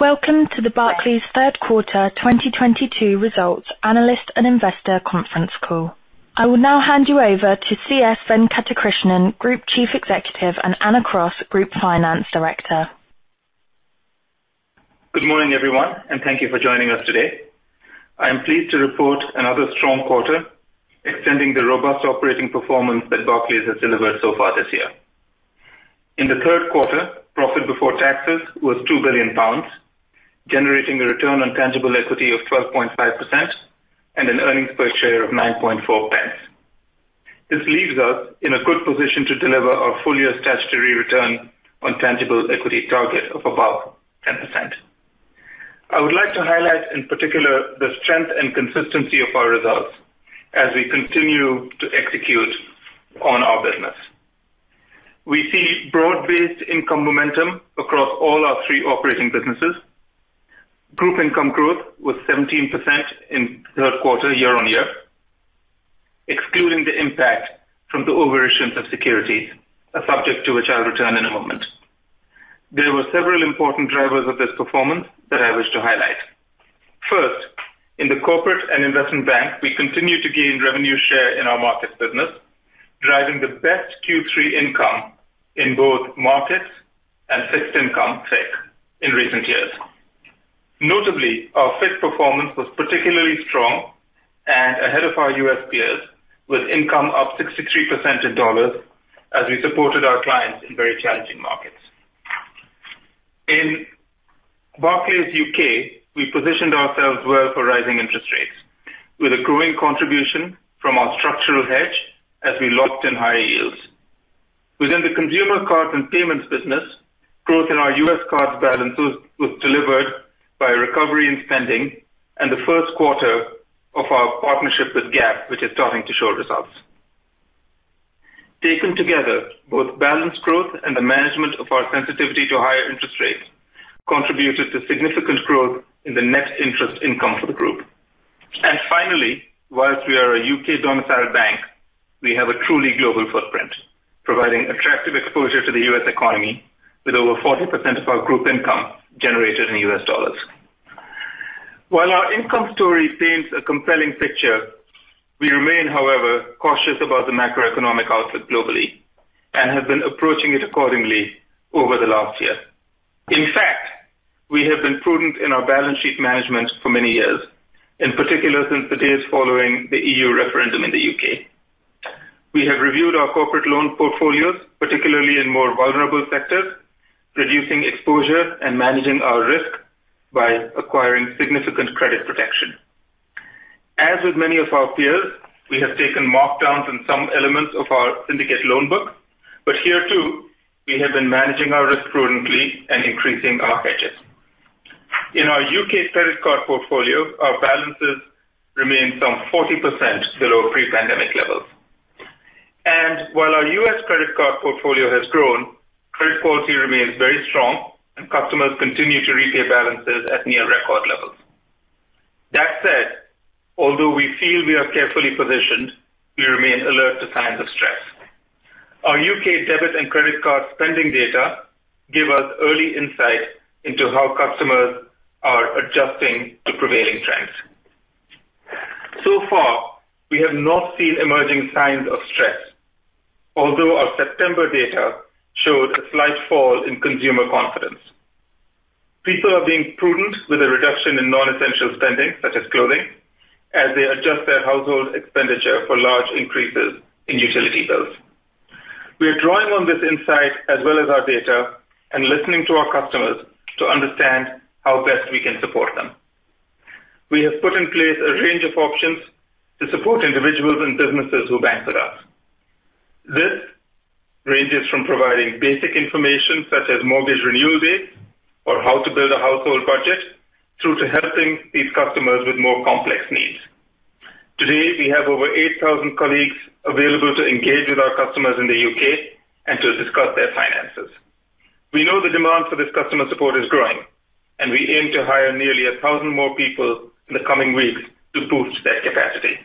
Welcome to the Barclays Third Quarter 2022 Results Analyst and Investor Conference Call. I will now hand you over to C.S. Venkatakrishnan, Group Chief Executive, and Anna Cross, Group Finance Director. Good morning, everyone, and thank you for joining us today. I am pleased to report another strong quarter, extending the robust operating performance that Barclays has delivered so far this year. In the third quarter, profit before taxes was 2 billion pounds, generating a return on tangible equity of 12.5% and an earnings per share of 0.094. This leaves us in a good position to deliver our full year statutory return on tangible equity target of above 10%. I would like to highlight, in particular, the strength and consistency of our results as we continue to execute on our business. We see broad-based income momentum across all our three operating businesses. Group income growth was 17% in third quarter year-on-year, excluding the impact from the overissuance of securities, a subject to which I'll return in a moment. There were several important drivers of this performance that I wish to highlight. First, in the corporate and investment bank, we continue to gain revenue share in our markets business, driving the best third quarter income in both markets and fixed income FICC in recent years. Notably, our FICC performance was particularly strong and ahead of our US peers, with income up 63% in dollars as we supported our clients in very challenging markets. In Barclays UK, we positioned ourselves well for rising interest rates, with a growing contribution from our structural hedge as we locked in higher yields. Within the consumer cards and payments business, growth in our US card balances was delivered by recovery and spending and the first quarter of our partnership with Gap, which is starting to show results. Taken together, both balance growth and the management of our sensitivity to higher interest rates contributed to significant growth in the net interest income for the group. Finally, while we are a UK domiciled bank, we have a truly global footprint, providing attractive exposure to the US economy with over 40% of our group income generated in US dollars. While our income story paints a compelling picture, we remain, however, cautious about the macroeconomic outlook globally and have been approaching it accordingly over the last year. In fact, we have been prudent in our balance sheet management for many years, in particular since the days following the EU referendum in the UK. We have reviewed our corporate loan portfolios, particularly in more vulnerable sectors, reducing exposure and managing our risk by acquiring significant credit protection. As with many of our peers, we have taken markdowns in some elements of our syndicate loan book, but here too, we have been managing our risk prudently and increasing our hedges. In our UK credit card portfolio, our balances remain some 40% below pre-pandemic levels. While our US credit card portfolio has grown, credit quality remains very strong and customers continue to repay balances at near record levels. That said, although we feel we are carefully positioned, we remain alert to signs of stress. Our UK debit and credit card spending data give us early insight into how customers are adjusting to prevailing trends. Far, we have not seen emerging signs of stress. Although our September data showed a slight fall in consumer confidence. People are being prudent with a reduction in non-essential spending, such as clothing, as they adjust their household expenditure for large increases in utility bills. We are drawing on this insight as well as our data and listening to our customers to understand how best we can support them. We have put in place a range of options to support individuals and businesses who bank with us. This ranges from providing basic information such as mortgage renewal dates or how to build a household budget through to helping these customers with more complex needs. Today, we have over 8,000 colleagues available to engage with our customers in the UK and to discuss their finances. We know the demand for this customer support is growing, and we aim to hire nearly 1,000 more people in the coming weeks to boost that capacity.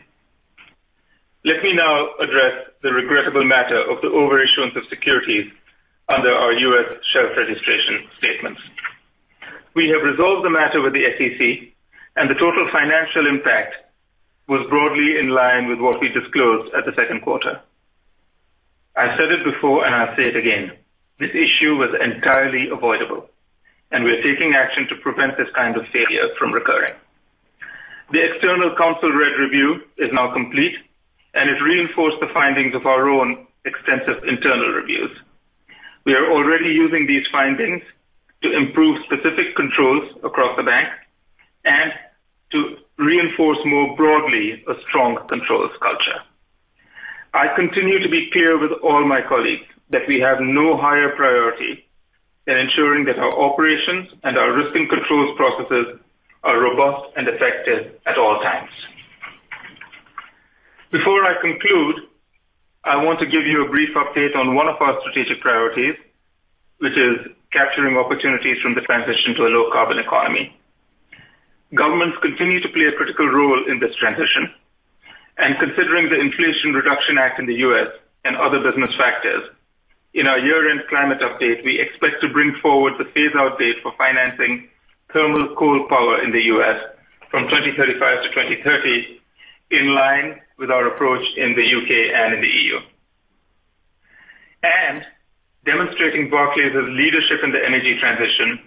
Let me now address the regrettable matter of the overissuance of securities under our US shelf registration statements. We have resolved the matter with the SEC and the total financial impact was broadly in line with what we disclosed at the second quarter. I've said it before and I'll say it again, this issue was entirely avoidable and we are taking action to prevent this kind of failure from recurring. The external counsel-led review is now complete, and it reinforced the findings of our own extensive internal reviews. We are already using these findings to improve specific controls across the bank and to reinforce more broadly a strong controls culture. I continue to be clear with all my colleagues that we have no higher priority than ensuring that our operations and our risk and controls processes are robust and effective at all times. Before I conclude, I want to give you a brief update on one of our strategic priorities, which is capturing opportunities from the transition to a low carbon economy. Governments continue to play a critical role in this transition. Considering the Inflation Reduction Act in the US and other business factors, in our year-end climate update, we expect to bring forward the phase-out date for financing thermal coal power in the US from 2035 to 2030, in line with our approach in the UK and in the EU. Demonstrating Barclays' leadership in the energy transition,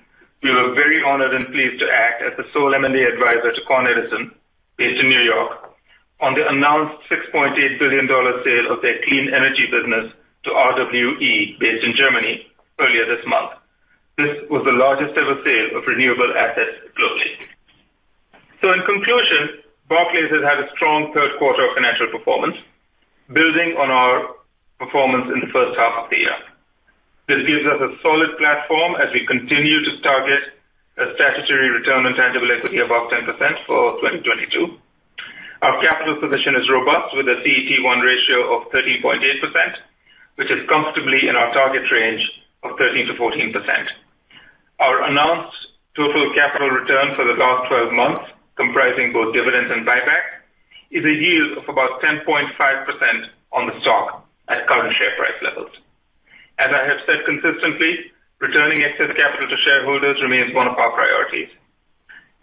we were very honored and pleased to act as the sole M&A advisor to Con Edison, based in New York, on the announced $6.8 billion sale of their clean energy business to RWE, based in Germany, earlier this month. This was the largest ever sale of renewable assets globally. In conclusion, Barclays has had a strong third quarter of financial performance, building on our performance in the first half of the year. This gives us a solid platform as we continue to target a statutory return on tangible equity of above 10% for 2022. Our capital position is robust, with a CET1 ratio of 13.8%, which is comfortably in our target range of 13% to 14%. Our announced total capital return for the last 12 months, comprising both dividends and buybacks, is a yield of about 10.5% on the stock at current share price levels. As I have said consistently, returning excess capital to shareholders remains one of our priorities.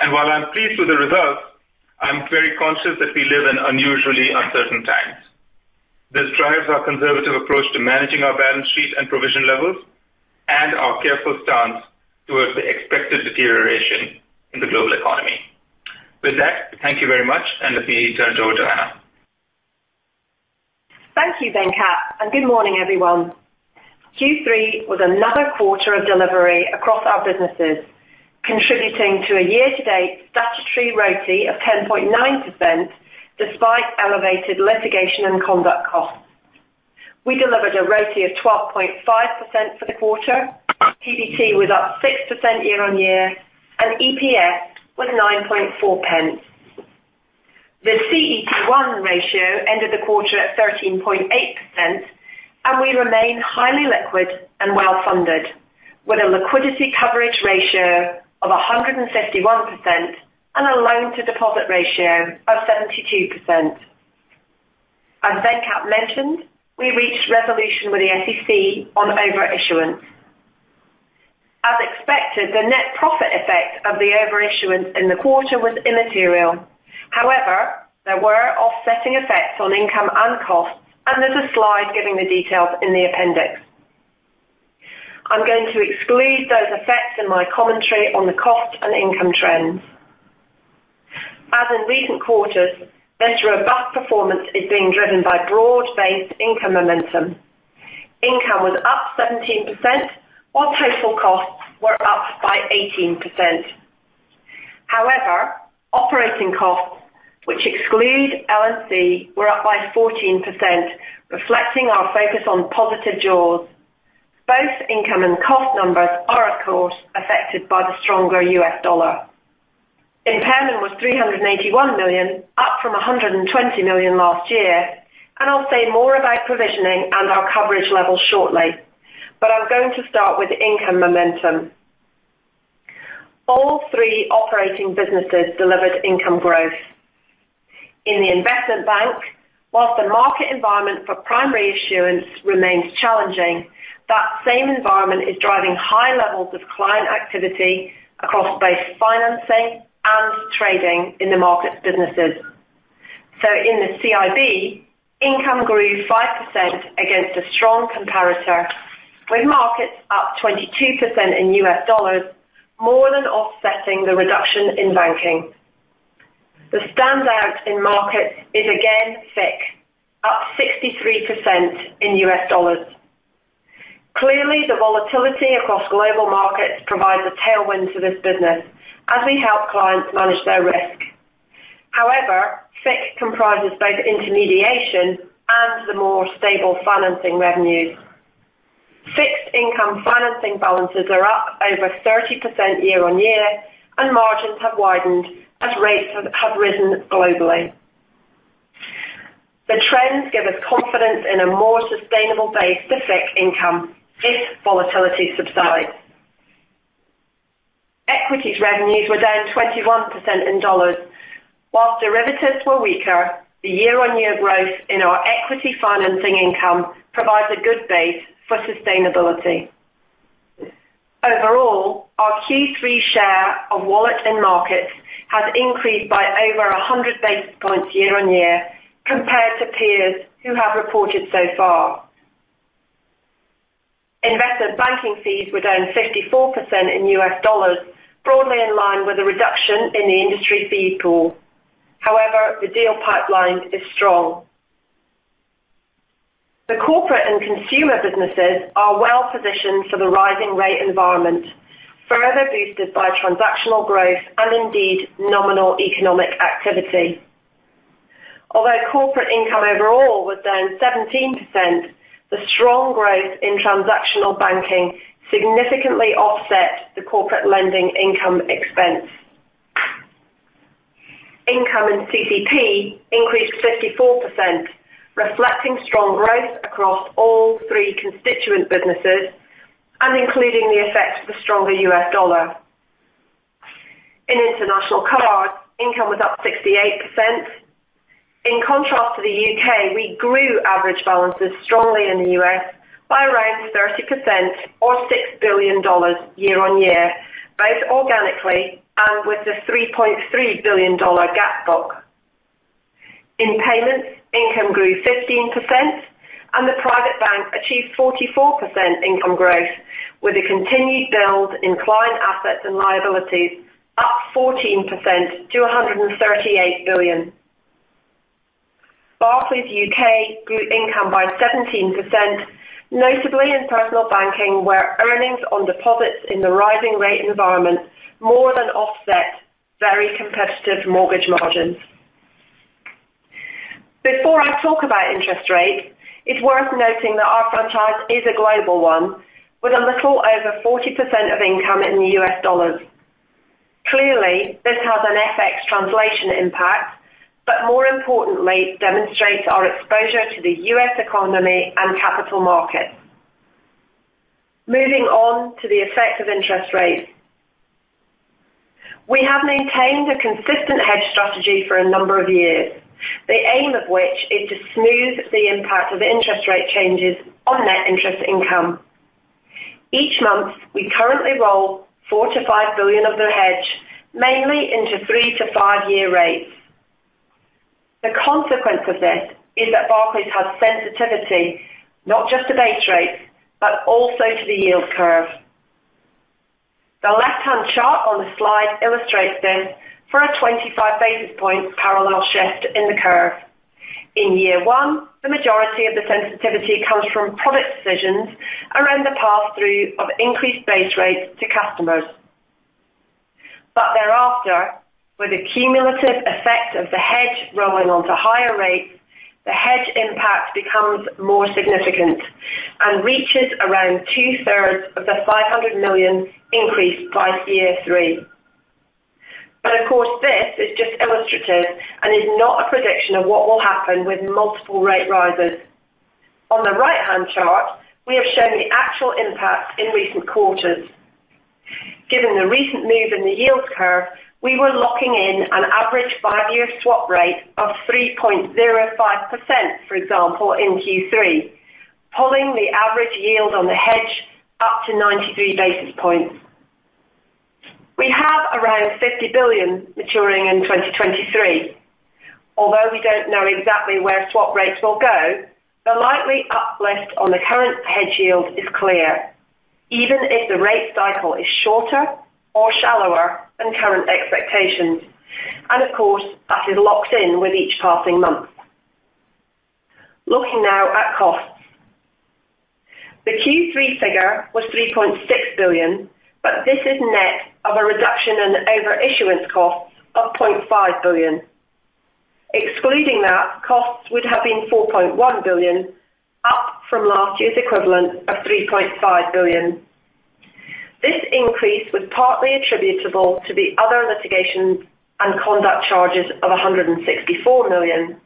While I'm pleased with the results, I'm very conscious that we live in unusually uncertain times. This drives our conservative approach to managing our balance sheet and provision levels and our careful stance towards the expected deterioration in the global economy. With that, thank you very much, and let me turn it over to Anna. Thank you, Venkat, and good morning, everyone. Third quarter was another quarter of delivery across our businesses, contributing to a year-to-date statutory ROTE of 10.9% despite elevated litigation and conduct costs. We delivered a ROTE of 12.5% for the quarter. PBT was up 6% year-on-year, and EPS was 0.094. The CET1 ratio ended the quarter at 13.8%, and we remain highly liquid and well-funded, with a liquidity coverage ratio of 151% and a loan-to-deposit ratio of 72%. As Venkat mentioned, we reached resolution with the SEC on overissuance. As expected, the net profit effect of the overissuance in the quarter was immaterial. However, there were offsetting effects on income and costs, and there's a slide giving the details in the appendix. I'm going to exclude those effects in my commentary on the cost and income trends. As in recent quarters, this robust performance is being driven by broad-based income momentum. Income was up 17%, while total costs were up by 18%. However, operating costs, which exclude L&C, were up by 14%, reflecting our focus on positive jaws. Both income and cost numbers are, of course, affected by the stronger US dollar. Impairment was 381 million, up from 120 million last year. I'll say more about provisioning and our coverage level shortly. I'm going to start with income momentum. All three operating businesses delivered income growth. In the investment bank, whilst the market environment for primary issuance remains challenging, that same environment is driving high levels of client activity across both financing and trading in the markets businesses. In the CIB, income grew 5% against a strong comparator, with markets up 22% in US dollars, more than offsetting the reduction in banking. The standout in markets is again FIC, up 63% in US dollars. Clearly, the volatility across global markets provides a tailwind to this business as we help clients manage their risk. However, FIC comprises both intermediation and the more stable financing revenues. Fixed income financing balances are up over 30% year-on-year, and margins have widened as rates have risen globally. The trends give us confidence in a more sustainable base to FIC income if volatility subsides. Equities revenues were down 21% in dollars. While derivatives were weaker, the year-on-year growth in our equity financing income provides a good base for sustainability. Overall, our third quarter share of wallet and markets has increased by over 100-basis points year-on-year compared to peers who have reported so far. Investment banking fees were down 54% in US dollars, broadly in line with a reduction in the industry fee pool. However, the deal pipeline is strong. The corporate and consumer businesses are well positioned for the rising rate environment, further boosted by transactional growth and indeed nominal economic activity. Although corporate income overall was down 17%, the strong growth in transactional banking significantly offset the corporate lending income expense. Income in CCP increased 54%, reflecting strong growth across all three constituent businesses and including the effect of the stronger US dollar. In international cards, income was up 68%. In contrast to the UK, we grew average balances strongly in the US by around 30% or $6 billion year-on-year, both organically and with the $3.3 billion Gap book. In payments, income grew 15%, and the private bank achieved 44% income growth with a continued build in client assets and liabilities up 14% to 138 billion. Barclays UK grew income by 17%, notably in personal banking, where earnings on deposits in the rising rate environment more than offset very competitive mortgage margins. Before I talk about interest rates, it's worth noting that our franchise is a global one with a little over 40% of income in US dollars. Clearly, this has an FX translation impact, but more importantly, demonstrates our exposure to the US economy and capital markets. Moving on to the effect of interest rates. We have maintained a consistent hedge strategy for a number of years, the aim of which is to smooth the impact of interest rate changes on net interest income. Each month, we currently roll 4 to 5 billion of the hedge, mainly into three-to-five-year rates. The consequence of this is that Barclays has sensitivity not just to base rates, but also to the yield curve. The left-hand chart on the slide illustrates this for a 25-basis point parallel shift in the curve. In year one, the majority of the sensitivity comes from product decisions around the pass-through of increased base rates to customers. Thereafter, with the cumulative effect of the hedge rolling onto higher rates, the hedge impact becomes more significant and reaches around 2/3 of the 500 million increase by year three. Of course, this is just illustrative and is not a prediction of what will happen with multiple rate rises. On the right-hand chart, we have shown the actual impact in recent quarters. Given the recent move in the yield curve, we were locking in an average five-year swap rate of 3.05%, for example, in third quarter, pulling the average yield on the hedge up to 93-basis points. We have around 50 billion maturing in 2023. Although we don't know exactly where swap rates will go, the likely uplift on the current hedge yield is clear, even if the rate cycle is shorter or shallower than current expectations, and of course, that is locked in with each passing month. Looking now at costs. The third quarter figure was 3.6 billion, but this is net of a reduction in overissuance costs of 0.5 billion. Excluding that, costs would have been 4.1 billion, up from last year's equivalent of 3.5 billion. This increase was partly attributable to the other litigation and conduct charges of 164 million.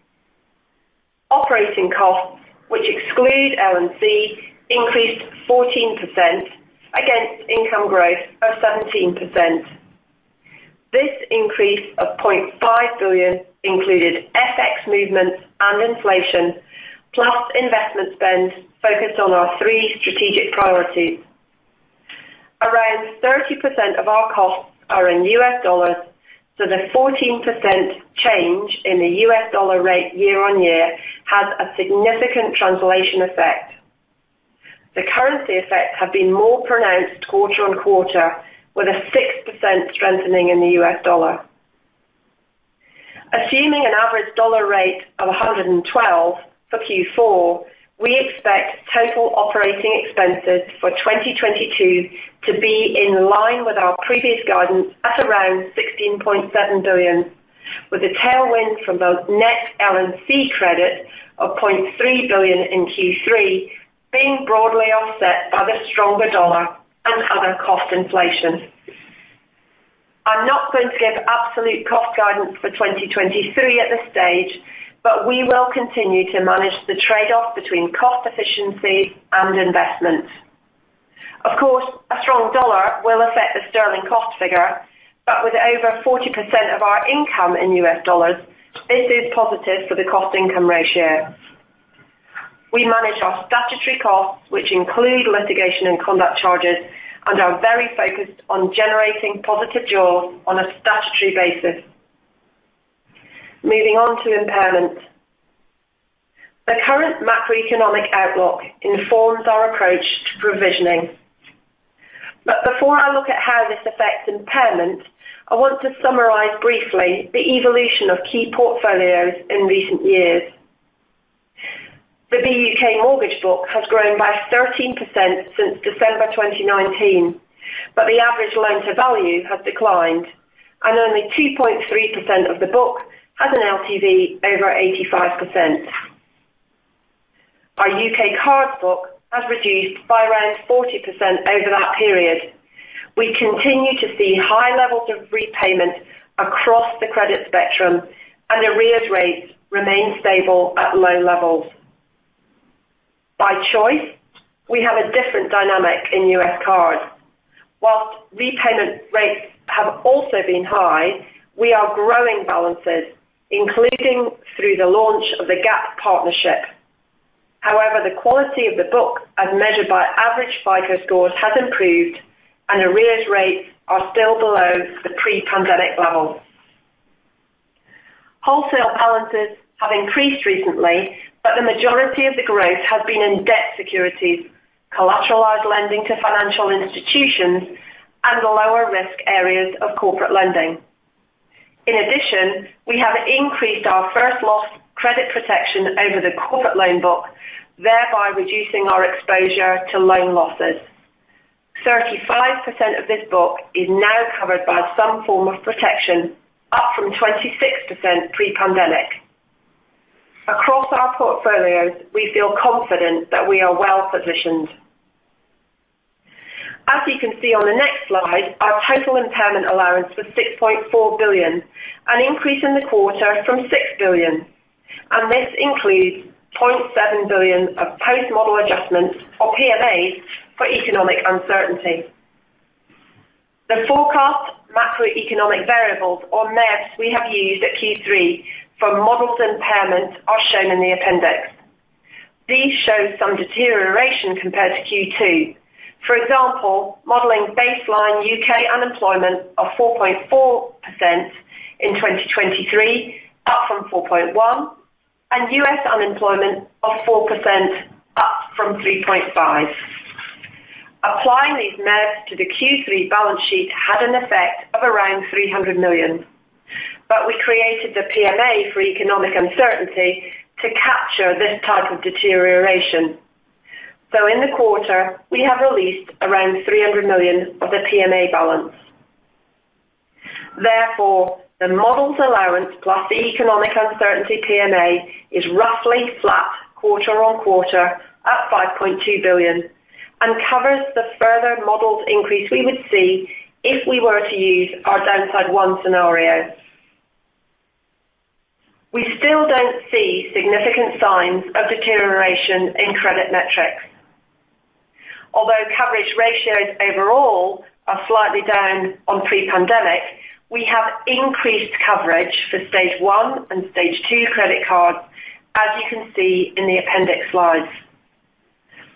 Operating costs, which exclude L&C, increased 14% against income growth of 17%. This increase of 0.5 billion included FX movements and inflation, plus investment spend focused on our three strategic priorities. Around 30% of our costs are in US dollars, so the 14% change in the US dollar rate year-over-year has a significant translation effect. The currency effects have been more pronounced quarter-over-quarter, with a 6% strengthening in the US dollar. Assuming an average dollar rate of 112% for fourth quarter, we expect total operating expenses for 2022 to be in line with our previous guidance at around 16.7 billion, with a tailwind from both net L&C credit of 0.3 billion in third quarter being broadly offset by the stronger dollar and other cost inflation. I'm not going to give absolute cost guidance for 2023 at this stage, but we will continue to manage the trade-off between cost efficiency and investment. Of course, a strong dollar will affect the sterling cost figure, but with over 40% of our income in US dollars, this is positive for the cost income ratio. We manage our statutory costs, which include litigation and conduct charges, and are very focused on generating positive jaws on a statutory basis. Moving on to impairment. The current macroeconomic outlook informs our approach to provisioning. Before I look at how this affects impairment, I want to summarize briefly the evolution of key portfolios in recent years. The UK mortgage book has grown by 13% since December 2019, but the average loan to value has declined, and only 2.3% of the book has an LTV over 85%. Our UK card book has reduced by around 40% over that period. We continue to see high levels of repayment across the credit spectrum and arrears rates remain stable at low levels. By choice, we have a different dynamic in US cards. Whilst repayment rates have also been high, we are growing balances, including through the launch of the Gap partnership. However, the quality of the book, as measured by average FICO scores, has improved and arrears rates are still below the pre-pandemic levels. Wholesale balances have increased recently, but the majority of the growth has been in debt securities, collateralized lending to financial institutions, and the lower risk areas of corporate lending. In addition, we have increased our first loss credit protection over the corporate loan book, thereby reducing our exposure to loan losses. 35% of this book is now covered by some form of protection, up from 26% pre-pandemic. Across our portfolios, we feel confident that we are well positioned. As you can see on the next slide, our total impairment allowance was 6.4 billion, an increase in the quarter from 6 billion, and this includes 0.7 billion of post model adjustments or PMAs for economic uncertainty. The forecast macroeconomic variables or MEVs we have used at third quarter for models impairments are shown in the appendix. These show some deterioration compared to second quarter. For example, modeling baseline UK unemployment of 4.4% in 2023, up from 4.1%, and US unemployment of 4%, up from 3.5%. Applying these MEVs to the third quarter balance sheet had an effect of around 300 million. We created the PMA for economic uncertainty to capture this type of deterioration. In the quarter, we have released around 300 million of the PMA balance. Therefore, the models allowance plus the economic uncertainty PMA is roughly flat quarter-on-quarter at 5.2 billion and covers the further modeled increase we would see if we were to use our downside one scenario. We still don't see significant signs of deterioration in credit metrics. Although coverage ratios overall are slightly down on pre-pandemic, we have increased coverage for stage one and stage two credit cards, as you can see in the appendix slides.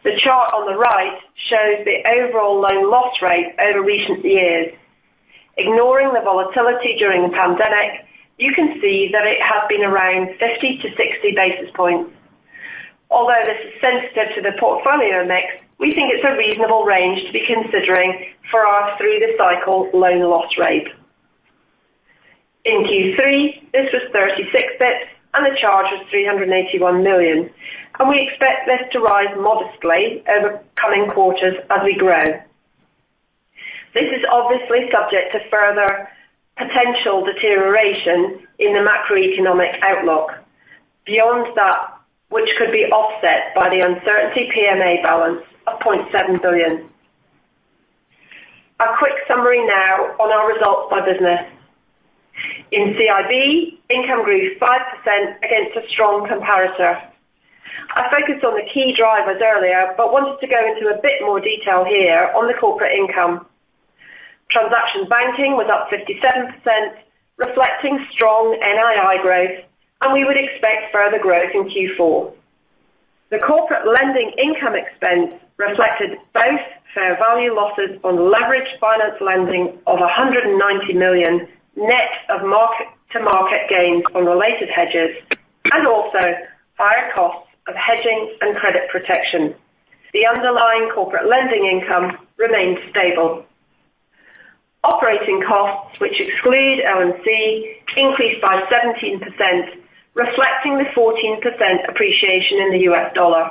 The chart on the right shows the overall loan loss rate over recent years. Ignoring the volatility during the pandemic, you can see that it has been around 50-to-60-basis points. Although this is sensitive to the portfolio mix, we think it's a reasonable range to be considering for our through the cycle loan loss rate. In third quarter, this was 36-basis points and the charge was 381 million. We expect this to rise modestly over coming quarters as we grow. This is obviously subject to further potential deterioration in the macroeconomic outlook beyond that which could be offset by the uncertainty PMA balance of 0.7 billion. A quick summary now on our results by business. In CIB, income grew 5% against a strong comparator. I focused on the key drivers earlier, but wanted to go into a bit more detail here on the corporate income. Transaction banking was up 57%, reflecting strong NII growth, and we would expect further growth in fourth quarter. The corporate lending income expense reflected both fair value losses on leveraged finance lending of 190 million net of mark-to-market gains on related hedges and also higher costs of hedging and credit protection. The underlying corporate lending income remained stable. Operating costs, which exclude L&C, increased by 17%, reflecting the 14% appreciation in the US dollar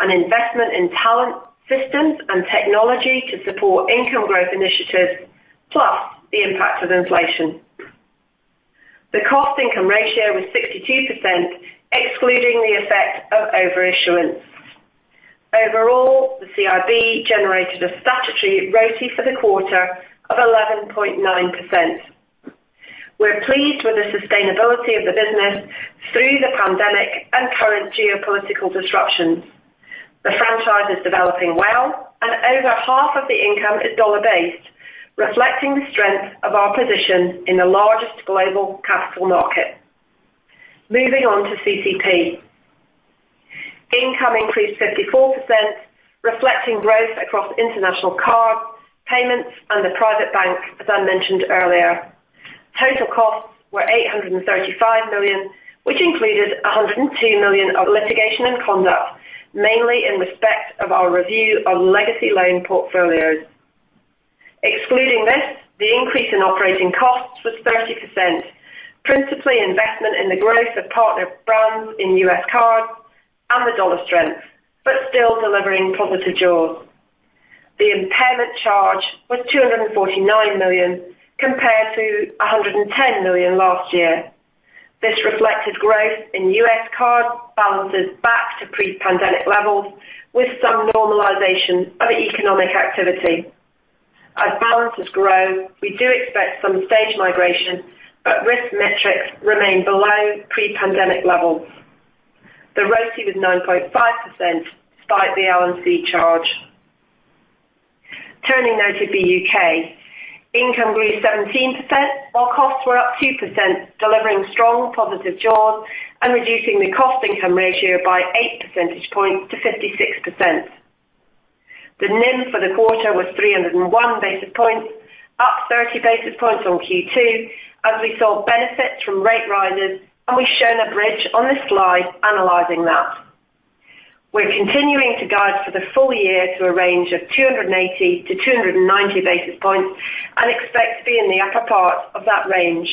and investment in talent systems and technology to support income growth initiatives, plus the impact of inflation. The cost income ratio was 62%, excluding the effect of overissuance. Overall, the CIB generated a statutory RoTE for the quarter of 11.9%. We're pleased with the sustainability of the business through the pandemic and current geopolitical disruptions. The franchise is developing well and over 1/2 of the income is dollar-based, reflecting the strength of our position in the largest global capital market. Moving on to CCP. Income increased 54%, reflecting growth across international card, payments, and the private bank, as I mentioned earlier. Total costs were 835 million, which included 102 million of litigation and conduct, mainly in respect of our review of legacy loan portfolios. Excluding this, the increase in operating costs was 30%, principally investment in the growth of partner brands in US cards and the dollar strength, but still delivering positive jaws. The impairment charge was 249 million compared to 110 million last year. This reflected growth in US card balances back to pre-pandemic levels with some normalization of economic activity. As balances grow, we do expect some stage migration, but risk metrics remain below pre-pandemic levels. The ROTCE was 9.5% despite the L&C charge. Turning now to the UK. Income grew 17% while costs were up 2%, delivering strong positive jaws and reducing the cost income ratio by eight percentage points to 56%. The NIM for the quarter was 301-basis points, up 30-basis points on second quarter as we saw benefits from rate rises, and we've shown a bridge on this slide analyzing that. We're continuing to guide for the full year to a range of 280-to-290-basis points and expect to be in the upper part of that range.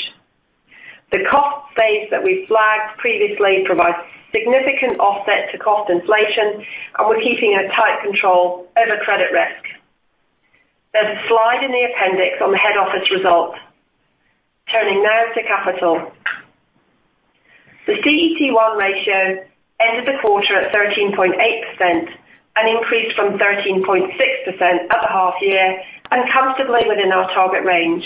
The cost base that we flagged previously provides significant offset to cost inflation, and we're keeping a tight control over credit risk. There's a slide in the appendix on the head office results. Turning now to capital. The CET1 ratio ended the quarter at 13.8% and increased from 13.6% at the half year and comfortably within our target range.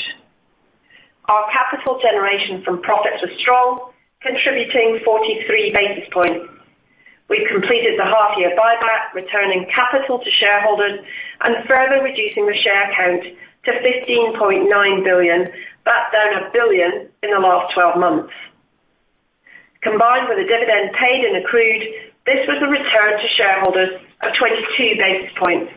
Our capital generation from profits was strong, contributing 43-basis points. We completed the half year buyback, returning capital to shareholders and further reducing the share count to 15.9 billion. That's down 1 billion in the last 12 months. Combined with the dividend paid and accrued, this was a return to shareholders of 22-basis points.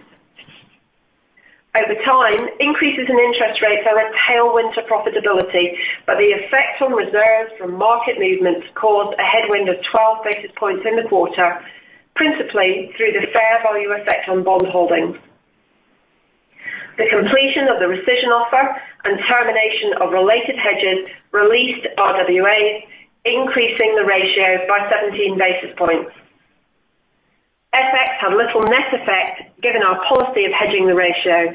Over time, increases in interest rates are a tailwind to profitability, but the effect on reserves from market movements caused a headwind of 12-basis points in the quarter, principally through the fair value effect on bond holdings. The completion of the rescission offer and termination of related hedges released RWA, increasing the ratio by 17-basis points. FX had little net effect given our policy of hedging the ratio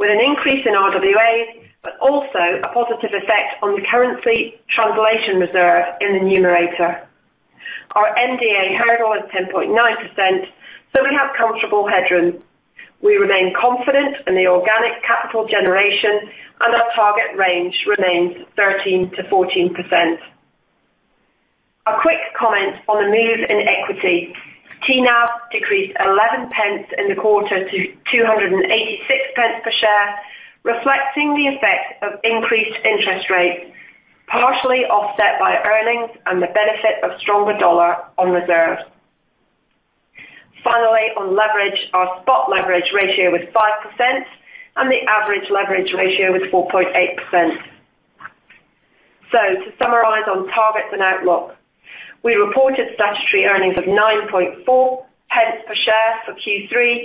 with an increase in RWA, but also a positive effect on the currency translation reserve in the numerator. Our MDA hurdle is 10.9%, so we have comfortable headroom. We remain confident in the organic capital generation, and our target range remains 13% to 14%. A quick comment on the move in equity. TNAV decreased 0.11 in the quarter to 2.86 per share, reflecting the effect of increased interest rates, partially offset by earnings and the benefit of stronger dollar on reserves. Finally, on leverage, our spot leverage ratio was 5% and the average leverage ratio was 4.8%. To summarize on targets and outlook, we reported statutory earnings of 0.094 per share for third quarter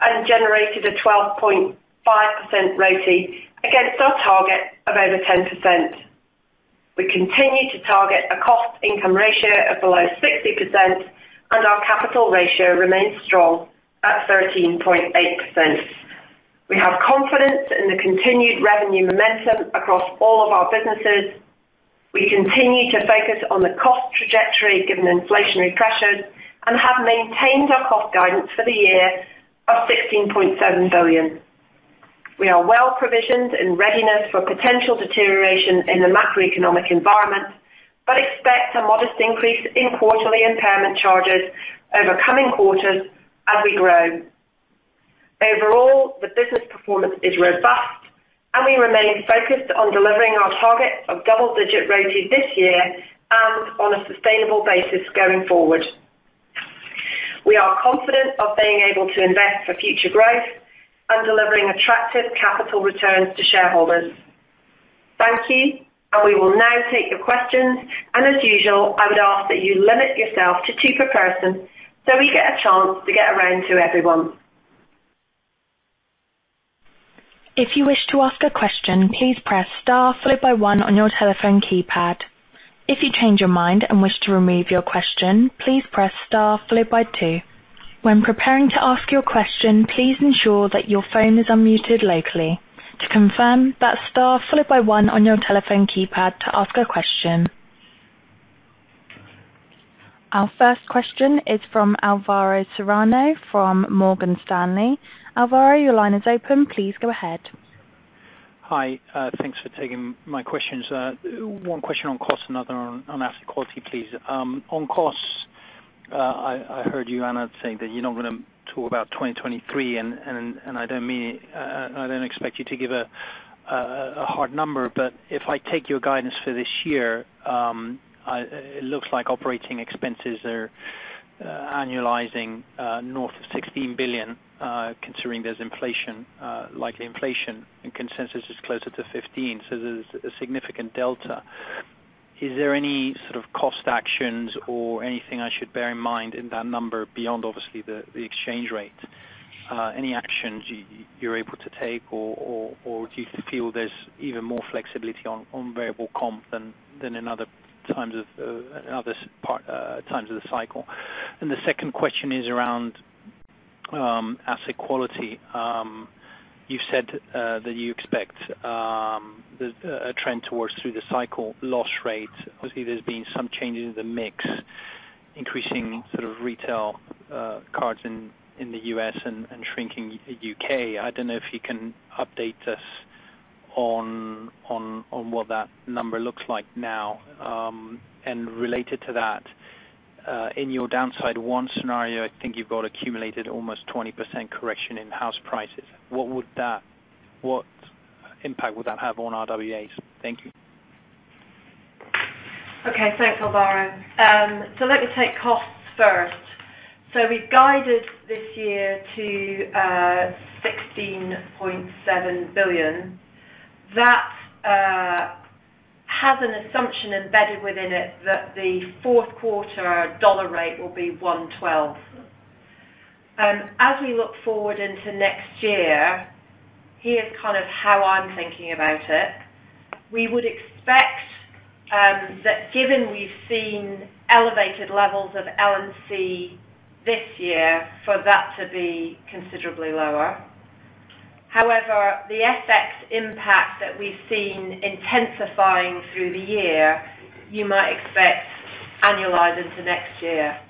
and generated a 12.5% ROTCE against our target of over 10%. We continue to target a cost income ratio of below 60%, and our capital ratio remains strong at 13.8%. We have confidence in the continued revenue momentum across all of our businesses. We continue to focus on the cost trajectory given inflationary pressures and have maintained our cost guidance for the year of 16.7 billion. We are well provisioned in readiness for potential deterioration in the macroeconomic environment, but expect a modest increase in quarterly impairment charges over coming quarters as we grow. Overall, the business performance is robust and we remain focused on delivering our target of double-digit ROTCE this year and on a sustainable basis going forward. We are confident of being able to invest for future growth and delivering attractive capital returns to shareholders. Thank you, and we will now take your questions. As usual, I would ask that you limit yourself to two per person, so we get a chance to get around to everyone. If you wish to ask a question, please press star followed by one on your telephone keypad. If you change your mind and wish to remove your question, please press star followed by two. When preparing to ask your question, please ensure that your phone is unmuted locally. To confirm, that's star followed by one on your telephone keypad to ask a question. Our first question is from Alvaro Serrano from Morgan Stanley. Alvaro, your line is open. Please go ahead. Hi. Thanks for taking my questions. One question on cost, another on asset quality, please. On costs, I heard you, Anna, say that you're not gonna talk about 2023, and I don't expect you to give a hard number, but if I take your guidance for this year, it looks like operating expenses are annualizing north of 16 billion, considering there's inflation, likely inflation and consensus is closer to 15 billion. There's a significant delta. Is there any sort of cost actions or anything I should bear in mind in that number beyond obviously the exchange rate? Any actions you're able to take or do you feel there's even more flexibility on variable comp than in other times of the cycle? The second question is around asset quality. You've said that you expect a trend towards through the cycle loss rates. Obviously, there's been some changes in the mix, increasing sort of retail cards in the US and shrinking UK I don't know if you can update us on what that number looks like now. Related to that, in your downside one scenario, I think you've got accumulated almost 20% correction in house prices. What impact would that have on RWAs? Thank you. Okay. Thanks, Alvaro. Let me take costs first. We guided this year to 16.7 billion. That has an assumption embedded within it that the fourth quarter dollar rate will be 1.12. As we look forward into next year, here's kind of how I'm thinking about it. We would expect that given we've seen elevated levels of L&C this year, for that to be considerably lower. However, the FX impact that we've seen intensifying through the year, you might expect annualize into next year.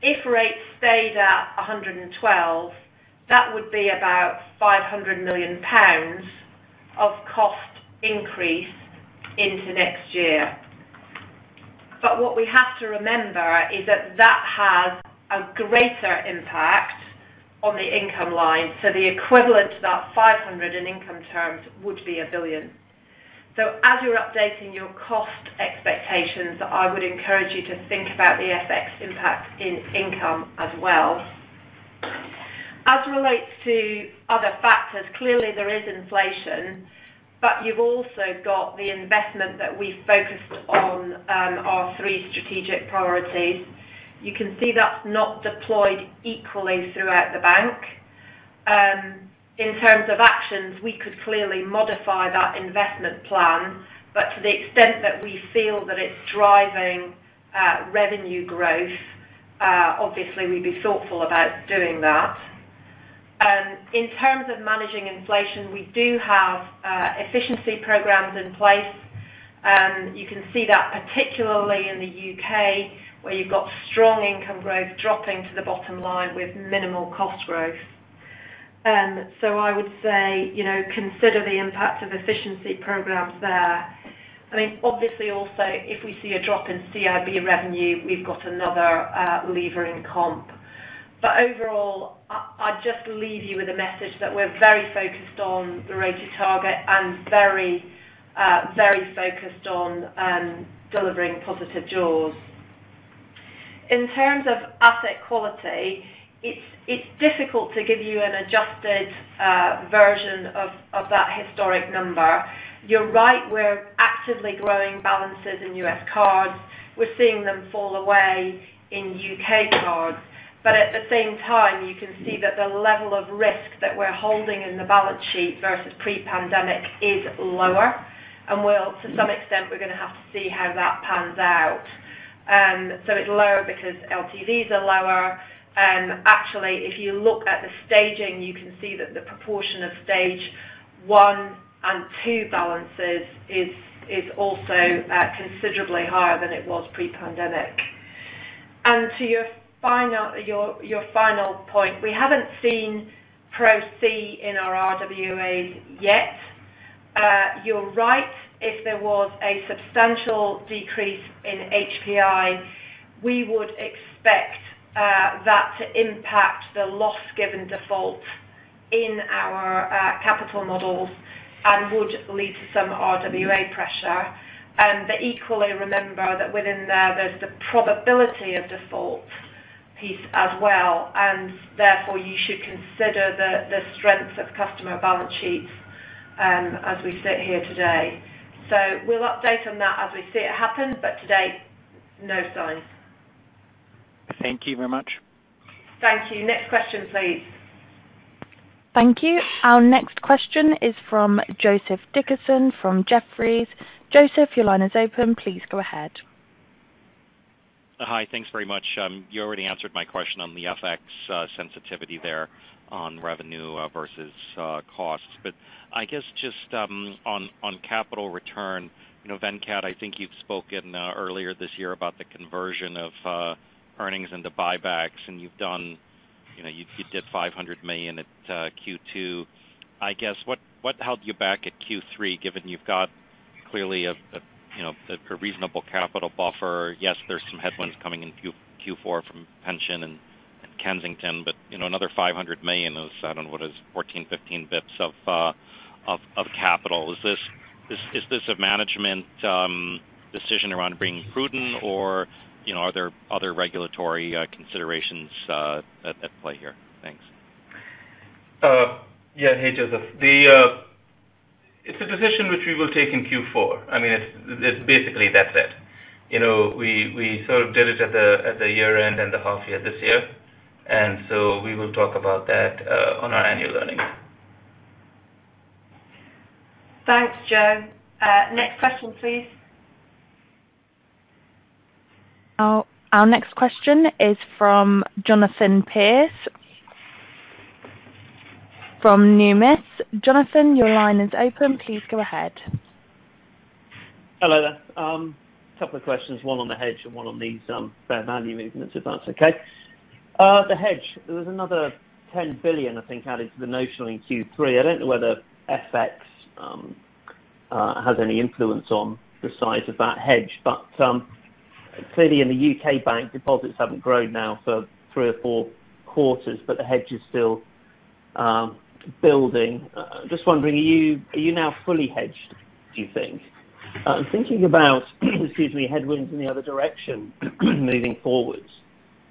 If rates stayed at 112%, that would be about 500 million pounds of cost increase into next year. What we have to remember is that that has a greater impact on the income line. The equivalent to that 500 in income terms would be 1 billion. As you're updating your cost expectations, I would encourage you to think about the FX impact in income as well. As relates to other factors, clearly there is inflation, but you've also got the investment that we focused on, our three strategic priorities. You can see that's not deployed equally throughout the bank. In terms of actions, we could clearly modify that investment plan, but to the extent that we feel that it's driving, revenue growth, obviously we'd be thoughtful about doing that. In terms of managing inflation, we do have, efficiency programs in place. You can see that particularly in the UK, where you've got strong income growth dropping to the bottom line with minimal cost growth. I would say, you know, consider the impact of efficiency programs there. I mean, obviously, also, if we see a drop in CIB revenue, we've got another lever in comp. Overall, I'll just leave you with a message that we're very focused on the RoTE target and very very focused on delivering positive jaws. In terms of asset quality, it's difficult to give you an adjusted version of that historic number. You're right, we're actively growing balances in US cards. We're seeing them fall away in UK cards. At the same time, you can see that the level of risk that we're holding in the balance sheet versus pre-pandemic is lower. To some extent, we're gonna have to see how that pans out. It's lower because LTVs are lower. Actually, if you look at the staging, you can see that the proportion of stage one and two balances is also considerably higher than it was pre-pandemic. To your final point, we haven't seen procyclicality in our RWAs yet. You're right. If there was a substantial decrease in HPI, we would expect that to impact the loss given default in our capital models and would lead to some RWA pressure. But equally remember that within there's the probability of default piece as well, and therefore you should consider the strength of customer balance sheets as we sit here today. We'll update on that as we see it happen, but to date, no signs. Thank you very much. Thank you. Next question, please. Thank you. Our next question is from Joseph Dickerson from Jefferies. Joseph, your line is open. Please go ahead. Hi. Thanks very much. You already answered my question on the FX sensitivity there on revenue versus costs. I guess just on capital return. You know, Venkat, I think you've spoken earlier this year about the conversion of earnings into buybacks, and you've done, you know, you did 500 million at second quarter. I guess what held you back at third quarter, given you've got clearly a reasonable capital buffer? Yes, there's some headwinds coming in fourth quarter from pension and Kensington, but you know another 500 million is, I don't know, what is 14, 15-basis points of capital. Is this a management decision around being prudent or are there other regulatory considerations at play here? Thanks. Yeah. Hey, Joseph. It's a decision which we will take in fourth quarter. I mean, it's basically that's it. You know, we sort of did it at the year-end and the half year this year, and so we will talk about that on our annual earnings. Thanks Joe. Next question, please. Our next question is from Jonathan Pierce from Numis. Jonathan, your line is open. Please go ahead. Hello there. A couple of questions, one on the hedge and one on these fair value movements, if that's okay. The hedge, there was another 10 billion, I think, added to the notional in third quarter. I don't know whether FX has any influence on the size of that hedge, but clearly in the UK, bank deposits haven't grown now for three or four quarters, but the hedge is still building. Just wondering, are you now fully hedged, do you think? Thinking about, excuse me, headwinds in the other direction, moving forward,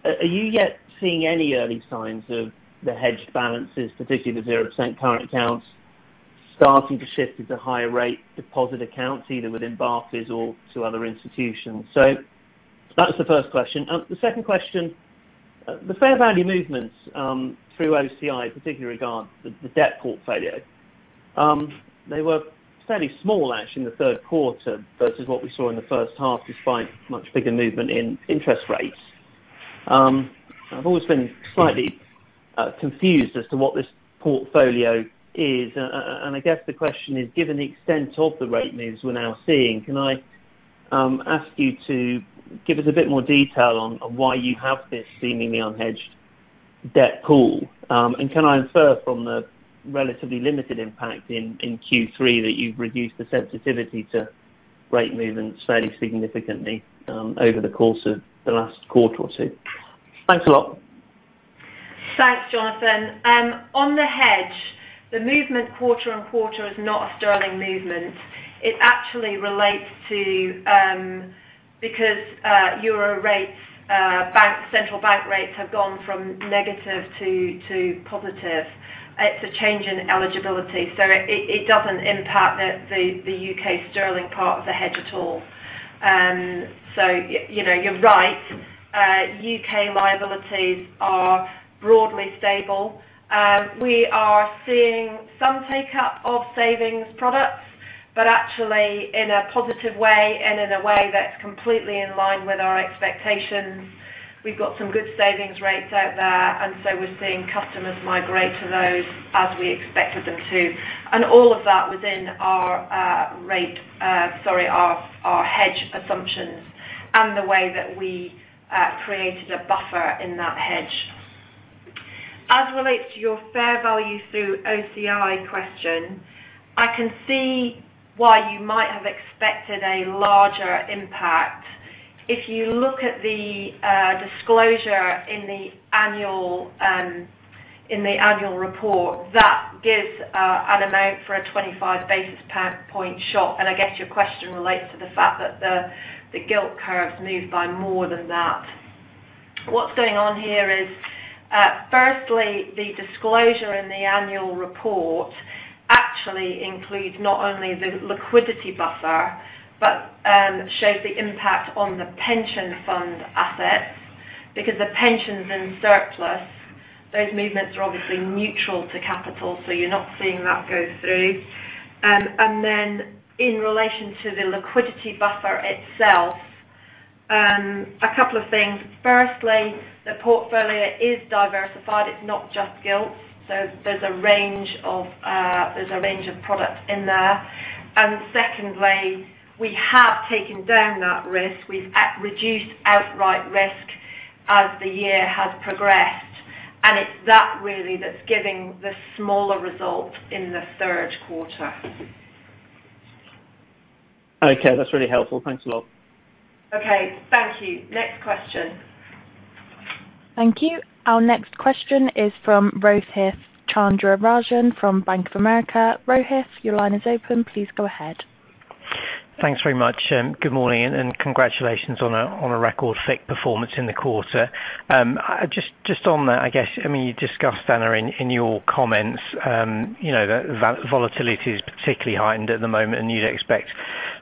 are you yet seeing any early signs of the hedged balances, particularly the 0% current accounts, starting to shift to the higher rate deposit accounts, either within Barclays or to other institutions? That's the first question. The second question, the fair value movements through OCI, particularly regarding the debt portfolio. They were fairly small actually in the third quarter versus what we saw in the first half, despite much bigger movement in interest rates. I've always been slightly confused as to what this portfolio is. I guess the question is, given the extent of the rate moves we're now seeing, can I ask you to give us a bit more detail on why you have this seemingly unhedged debt pool? Can I infer from the relatively limited impact in third quarter that you've reduced the sensitivity to rate movements fairly significantly over the course of the last quarter or two? Thanks a lot. Thanks, Jonathan. On the hedge, the movement quarter-over-quarter is not a sterling movement. It actually relates to because euro rates, central bank rates have gone from negative to positive. It's a change in eligibility, so it doesn't impact the UK sterling part of the hedge at all. You know, you're right. UK liabilities are broadly stable. We are seeing some take up of savings products, but actually in a positive way and in a way that's completely in line with our expectations. We've got some good savings rates out there, and so we're seeing customers migrate to those as we expected them to. All of that within our rate, sorry, our hedge assumptions and the way that we created a buffer in that hedge. As relates to your fair value through OCI question, I can see why you might have expected a larger impact. If you look at the disclosure in the annual report, that gives an amount for a 25-basis point shock. I guess your question relates to the fact that the gilt curves moved by more than that. What's going on here is firstly, the disclosure in the annual report actually includes not only the liquidity buffer, but shows the impact on the pension fund assets. Because the pension's in surplus, those movements are obviously neutral to capital, so you're not seeing that go through. In relation to the liquidity buffer itself, a couple of things. Firstly, the portfolio is diversified. It's not just gilts. There's a range of products in there. Secondly, we have taken down that risk. We've reduced outright risk as the year has progressed, and it's that really that's giving the smaller result in the third quarter. Okay. That's really helpful. Thanks a lot. Okay. Thank you. Next question. Thank you. Our next question is from Rohith Chandra-Rajan from Bank of America. Rohith, your line is open. Please go ahead. Thanks very much. Good morning, and congratulations on a record FICC performance in the quarter. Just on that, I guess, I mean, you discussed, Anna, in your comments, you know, that volatility is particularly heightened at the moment, and you'd expect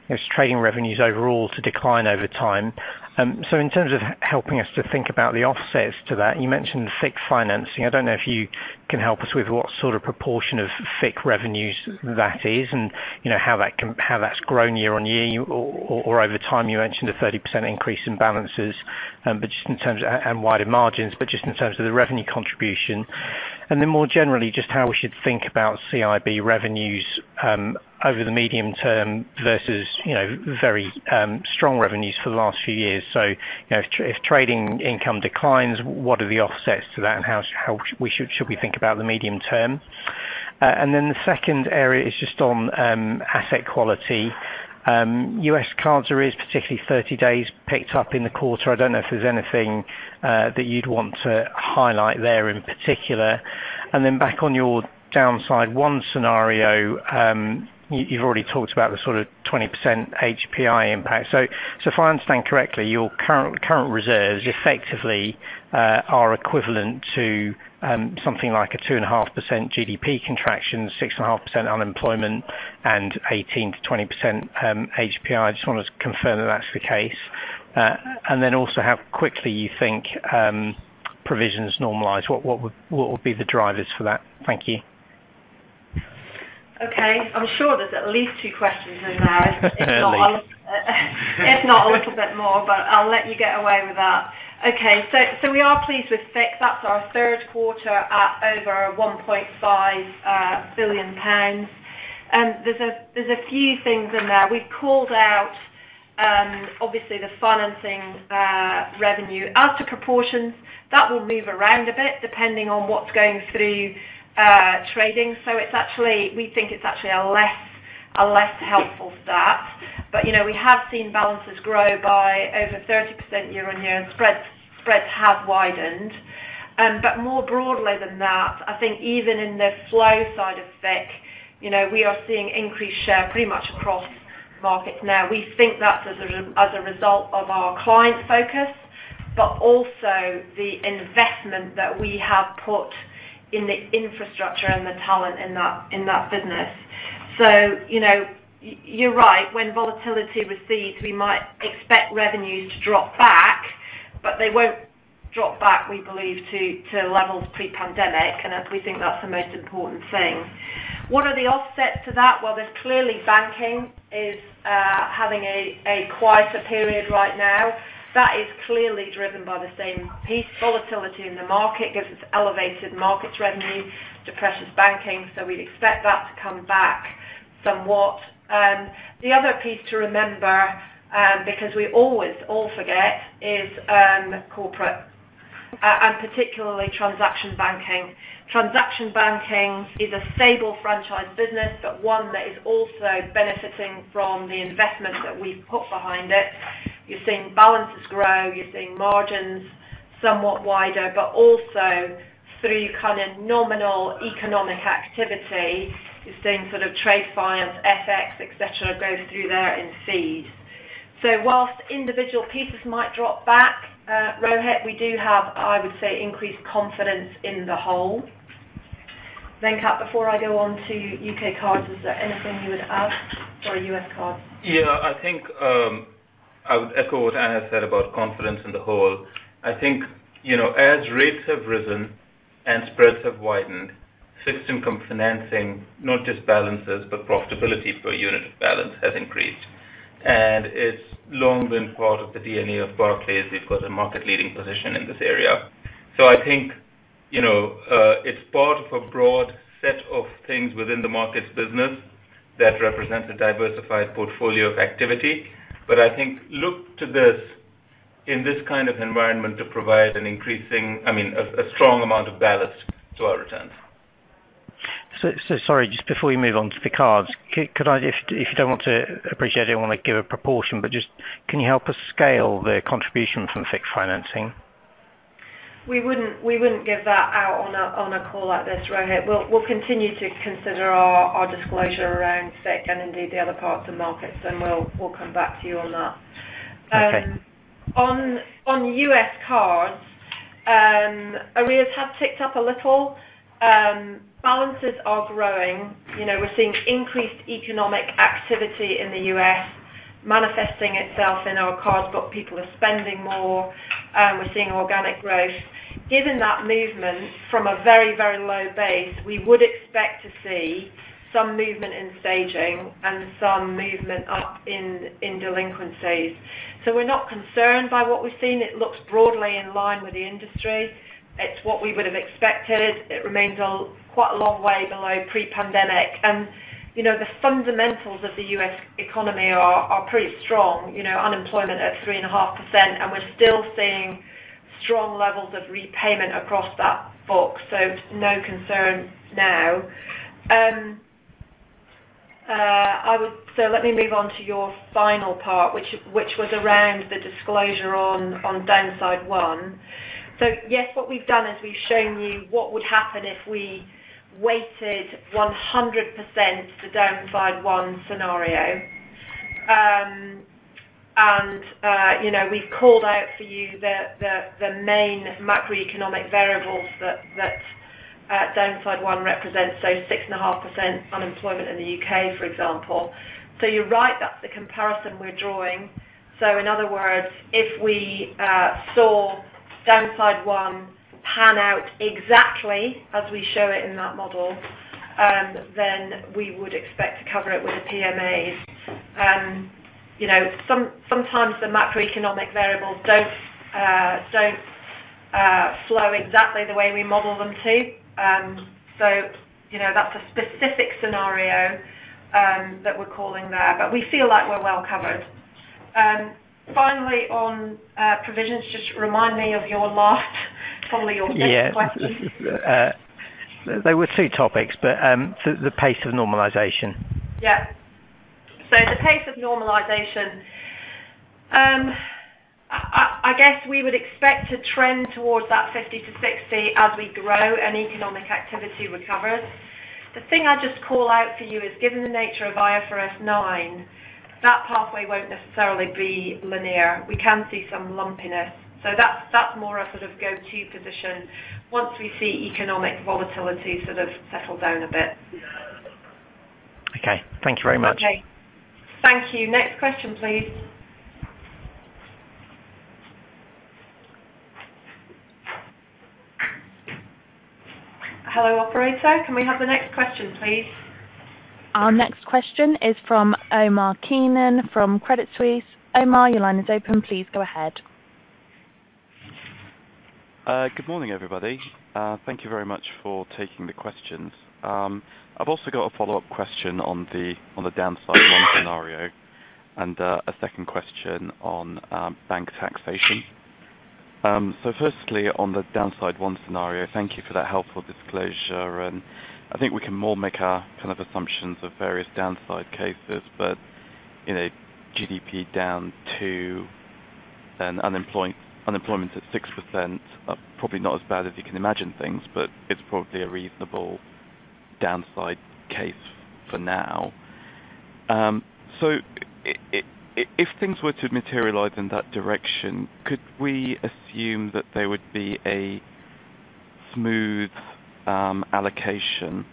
its trading revenues overall to decline over time. In terms of helping us to think about the offsets to that, you mentioned FICC financing. I don't know if you can help us with what sort of proportion of FICC revenues that is and, you know, how that's grown year-on-year or over time. You mentioned a 30% increase in balances, but just in terms and wider margins, but just in terms of the revenue contribution. More generally, just how we should think about CIB revenues over the medium term versus, you know, very strong revenues for the last few years. You know, if trading income declines, what are the offsets to that and how should we think about the medium term? The second area is just on asset quality. US card rates, particularly 30 days, picked up in the quarter. I don't know if there's anything that you'd want to highlight there in particular. Back on your downside one scenario, you've already talked about the sort of 20% HPI impact. If I understand correctly, your current reserves effectively are equivalent to something like a 2.5% GDP contraction, 6.5% unemployment and 18% to 20% HPI. I just wanna confirm that that's the case. Then also how quickly you think provisions normalize. What would be the drivers for that? Thank you. Okay. I'm sure there's at least two questions in there... At least. If not a little bit more, but I'll let you get away with that. Okay. We are pleased with FICC. That's our third quarter at over 1.5 billion pounds. There's a few things in there. We called out, obviously the financing revenue. As to proportions, that will move around a bit depending on what's going through trading. It's actually, we think it's actually a less helpful stat. You know, we have seen balances grow by over 30% year-on-year, and spreads have widened. More broadly than that, I think even in the flow side of FICC, you know, we are seeing increased share pretty much across markets now. We think that's as a result of our client focus, but also the investment that we have put in the infrastructure and the talent in that business. You know, you're right, when volatility recedes, we might expect revenues to drop back, but they won't drop back, we believe, to levels pre-pandemic, and we think that's the most important thing. What are the offsets to that? Well, there's clearly banking is having a quieter period right now. That is clearly driven by the same piece. Volatility in the market gives us elevated markets revenue, depresses banking, so we'd expect that to come back somewhat. The other piece to remember, because we always all forget, is corporate and particularly transaction banking. Transaction banking is a stable franchise business, but one that is also benefiting from the investment that we've put behind it. You're seeing balances grow, you're seeing margins somewhat wider, but also through kind of nominal economic activity, you're seeing sort of trade finance, FX, et cetera, go through there and indeed. Whilst individual pieces might drop back, Rohit, we do have, I would say, increased confidence in the whole. Venkat, before I go on to UK cards, is there anything you would add? Or US cards. Yeah. I think I would echo what Anna said about confidence in the whole. I think, you know, as rates have risen and spreads have widened, fixed income financing, not just balances, but profitability per unit of balance has increased. It's long been part of the DNA of Barclays. We've got a market-leading position in this area. I think, you know, it's part of a broad set of things within the markets business that represents a diversified portfolio of activity. I think look to this in this kind of environment to provide I mean, a strong amount of ballast to our returns. Sorry, just before you move on to the cards. Could I just, if you don't want to, I appreciate you don't want to give a proportion, but just can you help us scale the contribution from FICC financing? We wouldn't give that out on a call like this, Rohith. We'll continue to consider our disclosure around FICC and indeed the other parts of markets, and we'll come back to you on that... Okay. On US cards, arrears have ticked up a little. Balances are growing. You know, we're seeing increased economic activity in the US manifesting itself in our cards, but people are spending more. We're seeing organic growth. Given that movement from a very low base, we would expect to see some movement in staging and some movement up in delinquencies. We're not concerned by what we've seen. It looks broadly in line with the industry. It's what we would have expected. It remains quite a long way below pre-pandemic. You know, the fundamentals of the US economy are pretty strong. You know, unemployment at 3.5%, and we're still seeing strong levels of repayment across that book, so no concerns now. Let me move on to your final part, which was around the disclosure on downside one. Yes, what we've done is we've shown you what would happen if we weighted 100% to downside one scenario. You know, we've called out for you the main macroeconomic variables that downside one represents, so 6.5% unemployment in the UK, for example. You're right, that's the comparison we're drawing. In other words, if we saw downside one pan out exactly as we show it in that model, then we would expect to cover it with the PMAs. You know, sometimes the macroeconomic variables don't flow exactly the way we model them to. You know, that's a specific scenario that we're calling there, but we feel like we're well covered. Finally on provisions, just remind me of your last probably your... fifth question. Yeah. There were two topics, but so the pace of normalization. Yeah. The pace of normalization. I guess we would expect to trend towards that 50% to 60% as we grow and economic activity recovers. The thing I'd just call out for you is, given the nature of IFRS 9, that pathway won't necessarily be linear. We can see some lumpiness. That's more a sort of go-to position once we see economic volatility sort of settle down a bit. Okay. Thank you very much. Okay. Thank you. Next question, please. Hello, operator. Can we have the next question, please? Our next question is from Omar Keenan from Credit Suisse. Omar, your line is open. Please go ahead. Good morning, everybody. Thank you very much for taking the questions. I've also got a follow-up question on the downside one scenario and a second question on bank taxation. So firstly, on the downside one scenario, thank you for that helpful disclosure. I think we can more make our kind of assumptions of various downside cases. You know, GDP down to an unemployment at 6% are probably not as bad as you can imagine things, but it's probably a reasonable downside case for now. If things were to materialize in that direction, could we assume that there would be a smooth allocation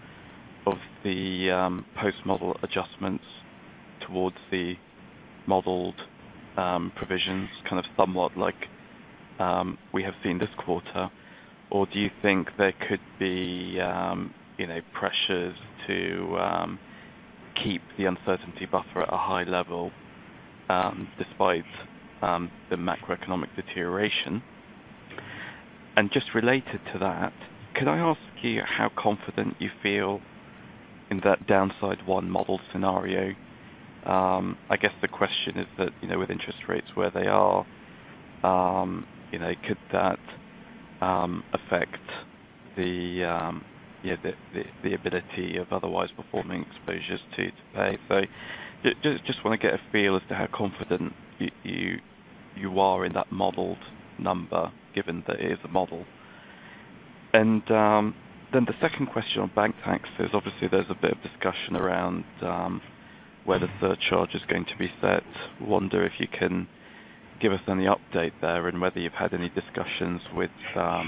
of the post-model adjustments towards the modeled provisions, kind of somewhat like we have seen this quarter? Do you think there could be, you know, pressures to keep the uncertainty buffer at a high level, despite the macroeconomic deterioration? Just related to that, can I ask you how confident you feel in that downside one model scenario? I guess the question is that, you know, with interest rates where they are, you know, could that affect the ability of otherwise performing exposures to today? Just want to get a feel as to how confident you are in that modeled number, given that it is a model. Then the second question on bank taxes. Obviously, there's a bit of discussion around where the surcharge is going to be set. Wonder if you can give us any update there and whether you've had any discussions with the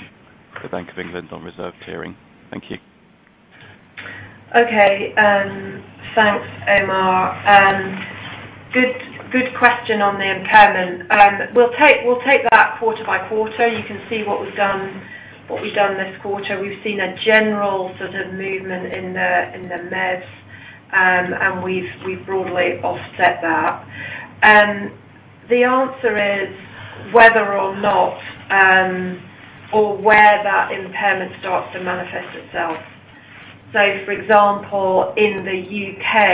Bank of England on reserve clearing. Thank you. Okay, thanks, Omar. Good question on the impairment. We'll take that quarter by quarter. You can see what we've done this quarter. We've seen a general sort of movement in the MEVs, and we've broadly offset that. The answer is whether or not, or where that impairment starts to manifest itself. For example, in the UK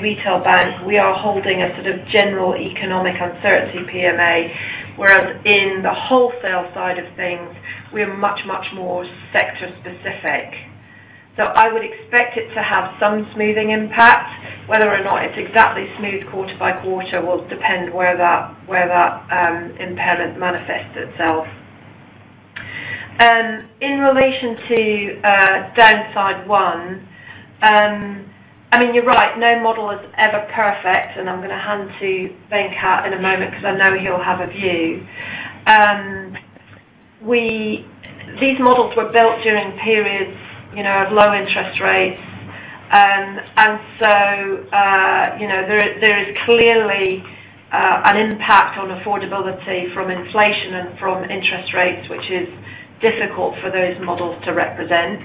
retail bank, we are holding a sort of general economic uncertainty PMA, whereas in the wholesale side of things, we are much more sector specific. I would expect it to have some smoothing impact. Whether or not it's exactly smooth quarter by quarter will depend where that impairment manifests itself. In relation to downside one, I mean, you're right. No model is ever perfect, and I'm gonna hand to Venkat in a moment because I know he'll have a view. These models were built during periods, you know, of low interest rates. You know, there is clearly an impact on affordability from inflation and from interest rates, which is difficult for those models to represent.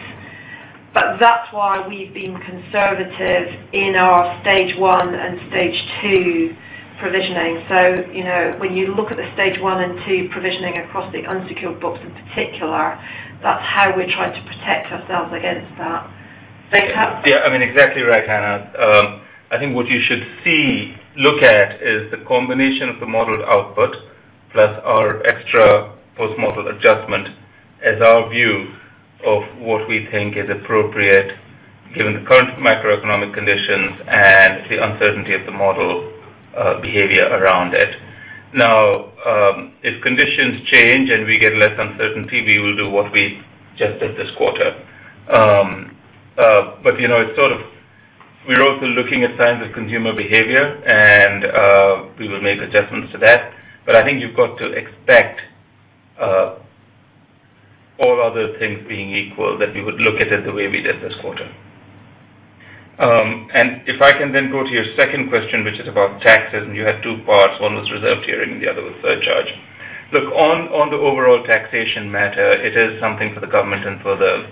That's why we've been conservative in our stage one and stage two provisioning. You know, when you look at the stage one and two provisioning across the unsecured books in particular, that's how we're trying to protect ourselves against that. Venkat? Yeah. I mean, exactly right, Anna. I think what you should see, look at is the combination of the modeled output plus our extra post-model adjustment as our view of what we think is appropriate given the current macroeconomic conditions and the uncertainty of the model behavior around it. Now, if conditions change and we get less uncertainty, we will do what we just did this quarter. You know, it's sort of we're also looking at signs of consumer behavior, and we will make adjustments to that. I think you've got to expect, all other things being equal that we would look at it the way we did this quarter. If I can then go to your second question, which is about taxes, and you had two parts. One was reserve tiering, the other was surcharge. Look, on the overall taxation matter, it is something for the government and for the,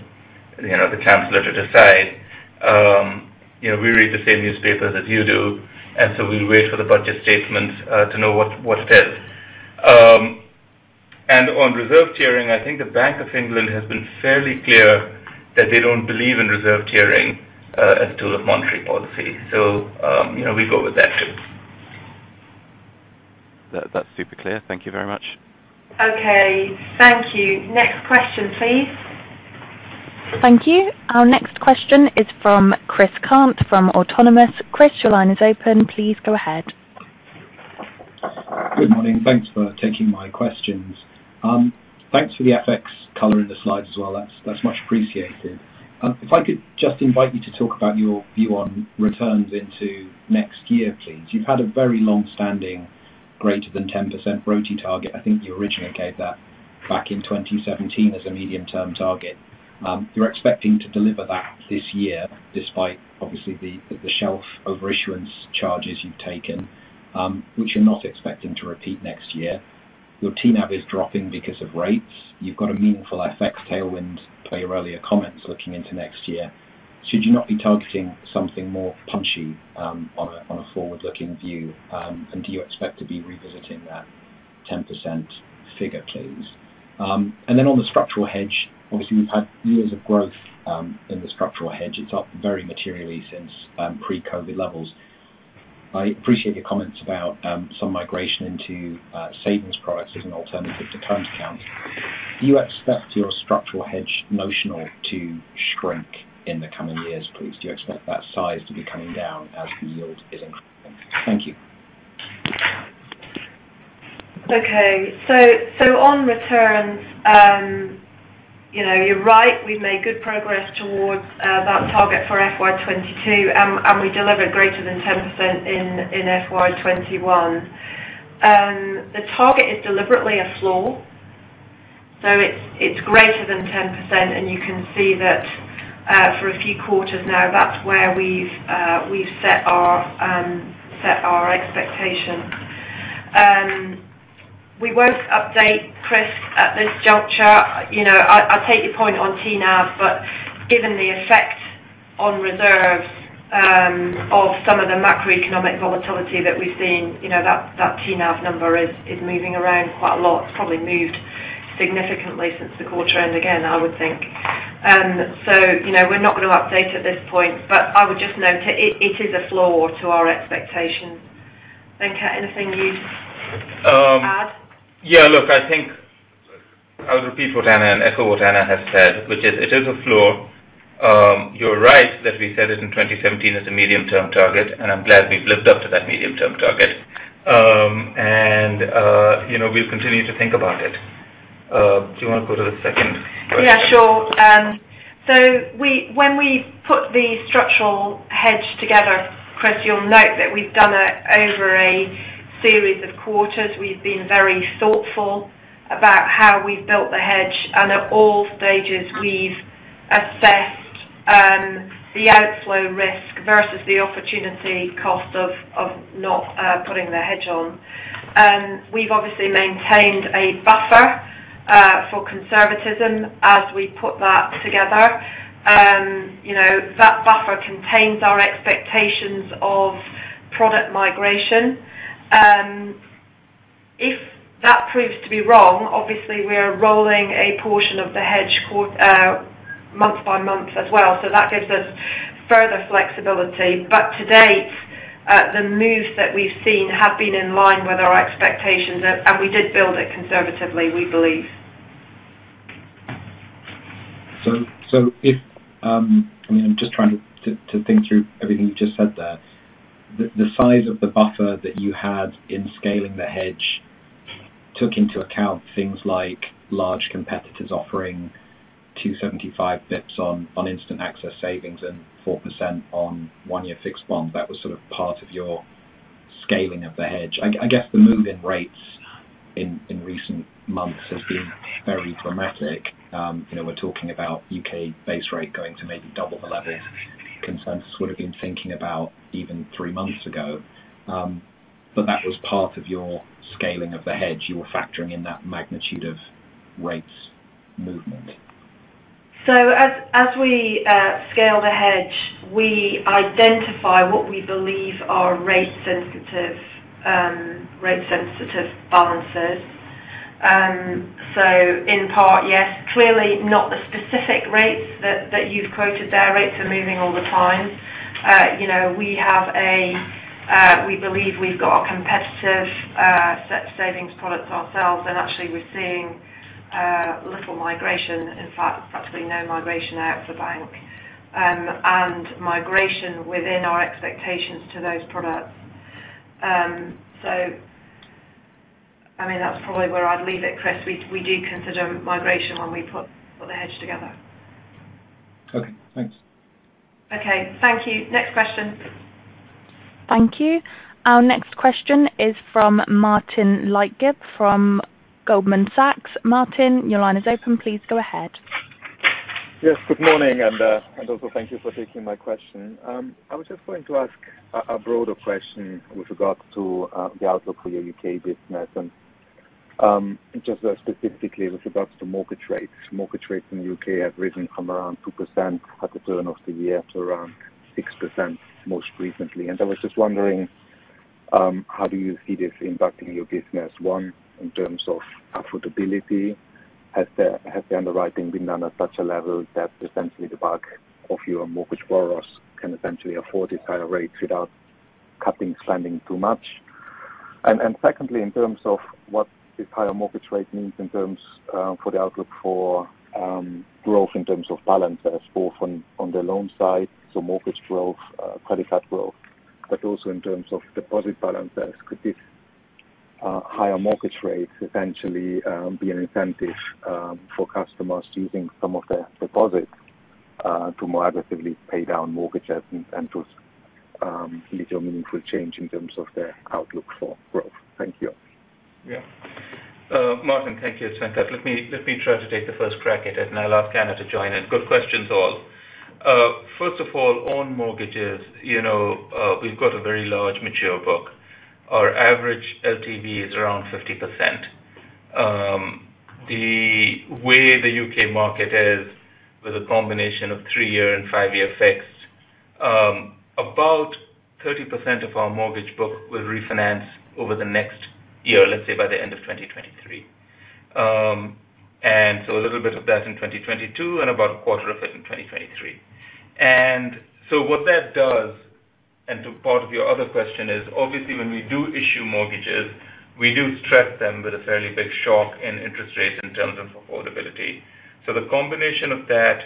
you know, the chancellor to decide. You know, we read the same newspapers as you do, and so we wait for the budget statement to know what it is. On reserve tiering, I think the Bank of England has been fairly clear that they don't believe in reserve tiering as a tool of monetary policy. You know, we go with that too. That, that's super clear. Thank you very much. Okay. Thank you. Next question please. Thank you. Our next question is from Chris Cant from Autonomous. Chris, your line is open. Please go ahead. Good morning. Thanks for taking my questions. Thanks for the FX color in the slides as well. That's much appreciated. If I could just invite you to talk about your view on returns into next year, please. You've had a very long-standing greater than 10% RoTE target. I think you originally gave that back in 2017 as a medium-term target. You're expecting to deliver that this year despite obviously the shelf over issuance charges you've taken, which you're not expecting to repeat next year. Your TNAV is dropping because of rates. You've got a meaningful FX tailwind to your earlier comments looking into next year. Should you not be targeting something more punchy on a forward-looking view? Do you expect to be revisiting that 10% figure, please? On the structural hedge, obviously, we've had years of growth in the structural hedge. It's up very materially since pre-COVID levels. I appreciate your comments about some migration into savings products as an alternative to current accounts. Do you expect your structural hedge notional to shrink in the coming years, please? Do you expect that size to be coming down as the yield is increasing? Thank you. Okay. On returns, you know, you're right. We've made good progress towards that target for fiscal year 2022, and we delivered greater than 10% in fiscal year 2021. The target is deliberately a floor, so it's greater than 10%, and you can see that for a few quarters now, that's where we've set our expectations. We won't update, Chris, at this juncture. You know, I take your point on TNAV, but given the effect on reserves of some of the macroeconomic volatility that we've seen, you know, that TNAV number is moving around quite a lot. It's probably moved significantly since the quarter ended again, I would think. You know, we're not gonna update at this point, but I would just note it is a floor to our expectations. Venkat, anything you'd add? Yeah. Look, I think I would repeat what Anna and echo what Anna has said, which is it is a floor. You're right that we set it in 2017 as a medium-term target, and I'm glad we've lived up to that medium-term target. You know, we'll continue to think about it. Do you want to go to the second question? Yeah, sure. When we put the structural hedge together, Chris, you'll note that we've done it over a series of quarters. We've been very thoughtful about how we've built the hedge. At all stages, we've assessed the outflow risk versus the opportunity cost of not putting the hedge on. We've obviously maintained a buffer for conservatism as we put that together. You know, that buffer contains our expectations of product migration. If that proves to be wrong, obviously we are rolling a portion of the hedge month by month as well, so that gives us further flexibility. To date, the moves that we've seen have been in line with our expectations. We did build it conservatively, we believe. I mean, I'm just trying to think through everything you've just said there. The size of the buffer that you had in scaling the hedge took into account things like large competitors offering 275-basis points on instant access savings and 4% on one-year fixed bonds. That was sort of part of your scaling of the hedge. I guess the move in rates in recent months has been very dramatic. You know, we're talking about UK base rate going to maybe double the level consensus would have been thinking about even three months ago. That was part of your scaling of the hedge. You were factoring in that magnitude of rates movement. As we scale the hedge, we identify what we believe are rate sensitive balances. In part, yes. Clearly not the specific rates that you've quoted there. Rates are moving all the time. You know, we believe we've got a competitive set of savings products ourselves, and actually we're seeing little migration, in fact, practically no migration out of the bank, and migration within our expectations to those products. I mean, that's probably where I'd leave it, Chris. We do consider migration when we put the hedge together. Okay. Thanks. Okay. Thank you. Next question. Thank you. Our next question is from Martin Leitgeb from Goldman Sachs. Martin, your line is open. Please go ahead. Yes, good morning, and also thank you for taking my question. I was just going to ask a broader question with regards to the outlook for your UK business and just specifically with regards to mortgage rates. Mortgage rates in the UK have risen from around 2% at the turn of the year to around 6% most recently. I was just wondering how do you see this impacting your business, one, in terms of affordability? Has the underwriting been done at such a level that essentially the bulk of your mortgage borrowers can essentially afford these higher rates without cutting spending too much? Secondly, in terms of what these higher mortgage rates means in terms for the outlook for growth in terms of balances, both on the loan side, so mortgage growth, credit card growth. Also in terms of deposit balances. Could these higher mortgage rates essentially be an incentive for customers using some of their deposits to more aggressively pay down mortgage assets and to lead to a meaningful change in terms of the outlook for growth. Thank you. Yeah. Martin, thank you. Venkat. Let me try to take the first crack at it, and I'll ask Anna to join in. Good questions all. First of all, on mortgages, you know, we've got a very large mature book. Our average LTV is around 50%. The way the UK market is with a combination of three-year and five-year fixed, about 30% of our mortgage book will refinance over the next year, let's say by the end of 2023. And so a little bit of that in 2022 and about a quarter of it in 2023. What that does, and to part of your other question is, obviously when we do issue mortgages, we do stress them with a fairly big shock in interest rates in terms of affordability. The combination of that.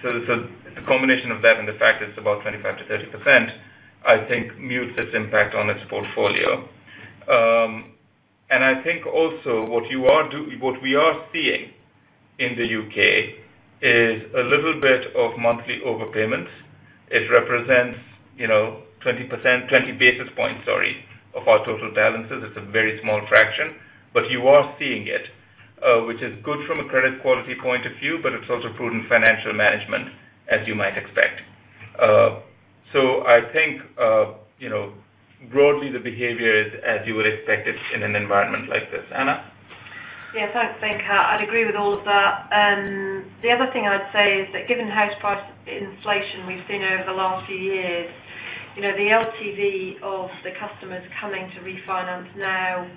It's a combination of that and the fact it's about 25% to 30%, I think mutes its impact on its portfolio. I think also what we are seeing in the UK is a little bit of monthly overpayments. It represents, you know, 20%, 20-basis points, sorry, of our total balances. It's a very small fraction, but you are seeing it, which is good from a credit quality point of view, but it's also prudent financial management as you might expect. I think, you know, broadly the behavior is as you would expect it in an environment like this. Anna? Yeah. Thanks, Venkat. I'd agree with all of that. The other thing I'd say is that given the house price inflation we've seen over the last few years, you know, the LTV of the customers coming to refinance now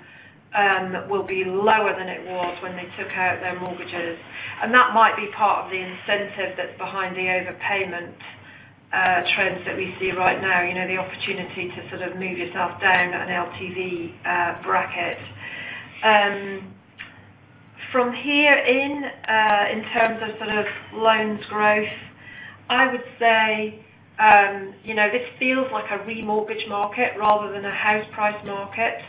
will be lower than it was when they took out their mortgages. That might be part of the incentive that's behind the overpayment trends that we see right now. You know, the opportunity to sort of move yourself down an LTV bracket. From here in terms of sort of loans growth, I would say, you know, this feels like a remortgage market rather than a house price market.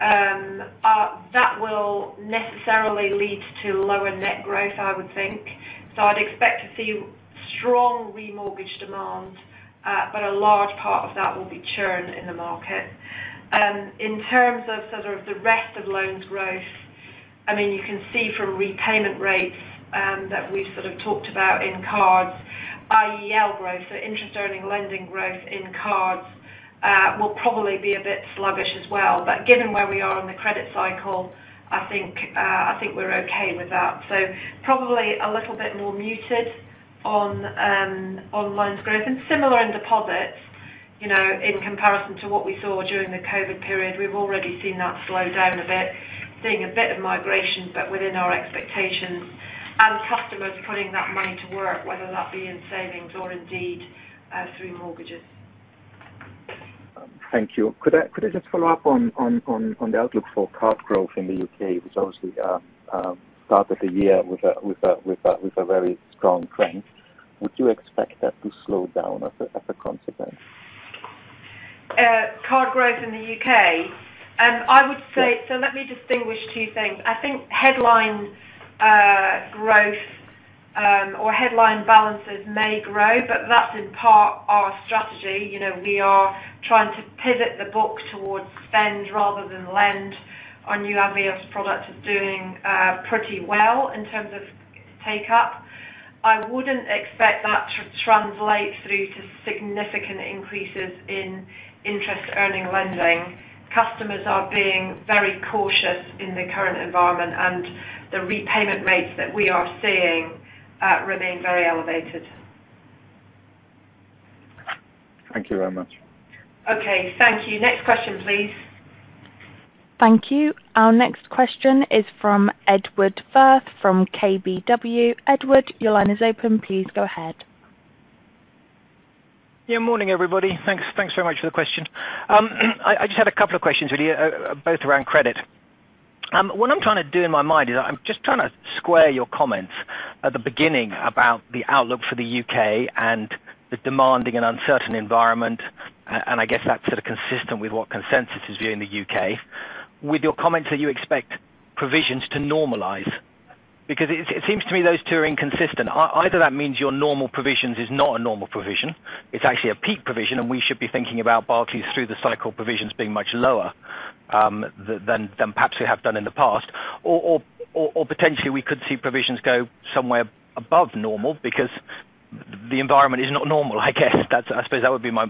That will necessarily lead to lower net growth, I would think. I'd expect to see strong remortgage demand, but a large part of that will be churn in the market. In terms of sort of the rest of loans growth, I mean, you can see from repayment rates, that we've sort of talked about in cards, IEL growth, so interest earning lending growth in cards, will probably be a bit sluggish as well. Given where we are in the credit cycle, I think we're okay with that. Probably a little bit more muted on loans growth and similar in deposits, you know, in comparison to what we saw during the COVID period. We've already seen that slow down a bit, seeing a bit of migration, but within our expectations, and customers putting that money to work, whether that be in savings or indeed, through mortgages. Thank you. Could I just follow up on the outlook for card growth in the UK, which obviously started the year with a very strong trend. Would you expect that to slow down as a consequence? Card growth in the UK? I would say... Yeah. Let me distinguish two things. I think headline growth or headline balances may grow, but that's in part our strategy. You know, we are trying to pivot the book towards spend rather than lend. Our new Avios product is doing pretty well in terms of take-up. I wouldn't expect that to translate through to significant increases in interest earning lending. Customers are being very cautious in the current environment and the repayment rates that we are seeing remain very elevated. Thank you very much. Okay, thank you. Next question, please. Thank you. Our next question is from Edward Firth from KBW. Edward, your line is open. Please go ahead. Yeah, morning, everybody. Thanks. Thanks very much for the question. I just had a couple of questions, really, both around credit. What I'm trying to do in my mind is I'm just trying to square your comments at the beginning about the outlook for the UK and the demanding and uncertain environment, and I guess that's sort of consistent with what consensus is viewing the UK, with your comments that you expect provisions to normalize. Because it seems to me those two are inconsistent. Either that means your normal provisions is not a normal provision, it's actually a peak provision, and we should be thinking about Barclays through the cycle provisions being much lower, than perhaps we have done in the past. Potentially we could see provisions go somewhere above normal because the environment is not normal, I guess. I suppose that would be my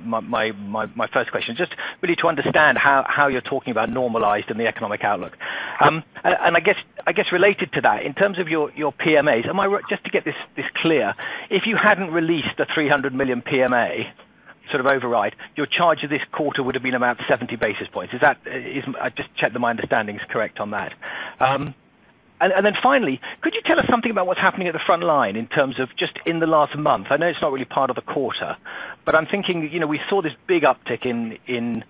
first question, just really to understand how you're talking about normalized in the economic outlook. I guess related to that, in terms of your PMAs, am I right? Just to get this clear, if you hadn't released the 300 million PMA sort of override, your charge of this quarter would've been about 70-basis points. Is that? I just check that my understanding is correct on that. Then finally, could you tell us something about what's happening at the front line in terms of just in the last month? I know it's not really part of the quarter, but I'm thinking, you know, we saw this big uptick in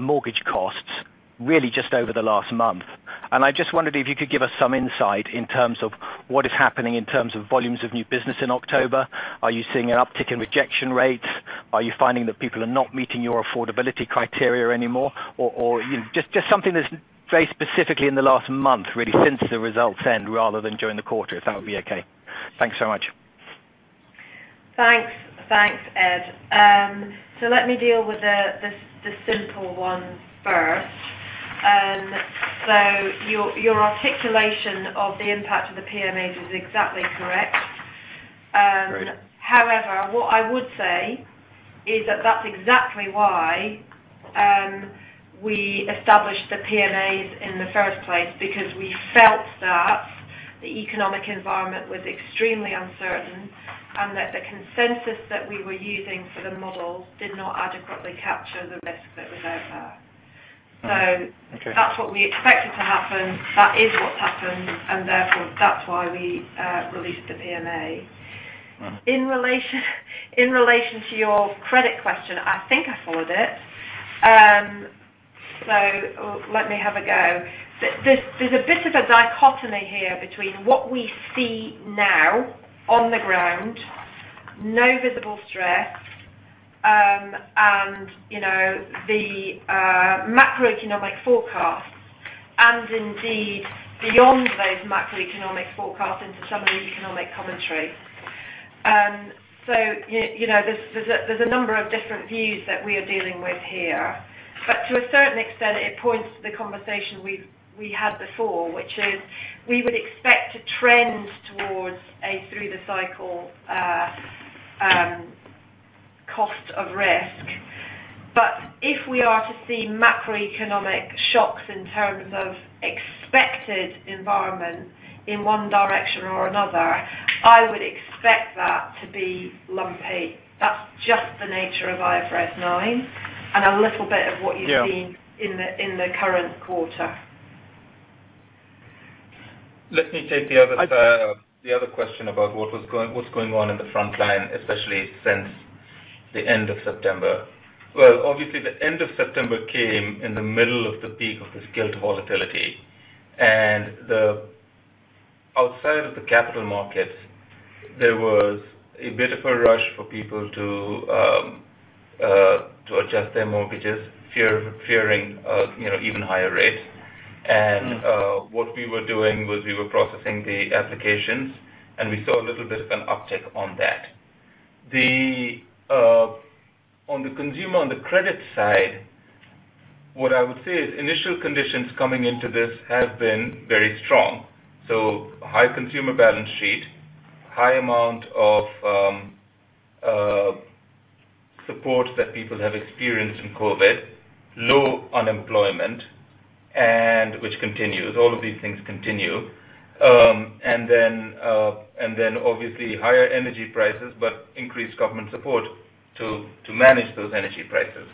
mortgage costs really just over the last month. I just wondered if you could give us some insight in terms of what is happening in terms of volumes of new business in October. Are you seeing an uptick in rejection rates? Are you finding that people are not meeting your affordability criteria anymore? Or just something that's very specifically in the last month, really, since the results end rather than during the quarter, if that would be okay. Thanks so much. Thanks. Thanks, Ed. Let me deal with the simple one first. Your articulation of the impact of the PMAs is exactly correct. However, what I would say is that that's exactly why we established the PMAs in the first place. Because we felt that the economic environment was extremely uncertain, and that the consensus that we were using for the model did not adequately capture the risk that was out there. Okay... That's what we expected to happen. That is what's happened, and therefore, that's why we released the PMA. Uh-huh. In relation to your credit question, I think I followed it. Let me have a go. There's a bit of a dichotomy here between what we see now on the ground, no visible stress, and you know, the macroeconomic forecast, and indeed, beyond those macroeconomic forecasts into some of the economic commentary. You know, there's a number of different views that we are dealing with here. To a certain extent, it points to the conversation we had before, which is we would expect to trend towards a through the cycle cost of risk. If we are to see macroeconomic shocks in terms of expected environment in one direction or another, I would expect that to be lumpy. That's just the nature of IFRS 9 and a little bit of what you've seen... Yeah. In the current quarter. Let me take the other side of the other question about what was going, what's going on in the front line, especially since the end of September. Well, obviously the end of September came in the middle of the peak of the scaled volatility. Outside of the capital markets, there was a bit of a rush for people to adjust their mortgages, fearing, you know, even higher rates. Mm-hmm. What we were doing was we were processing the applications, and we saw a little bit of an uptick on that. On the consumer, on the credit side, what I would say is initial conditions coming into this have been very strong. High consumer balance sheet, high amount of support that people have experienced in COVID, low unemployment, and which continues. All of these things continue. Obviously higher energy prices, but increased government support to manage those energy prices.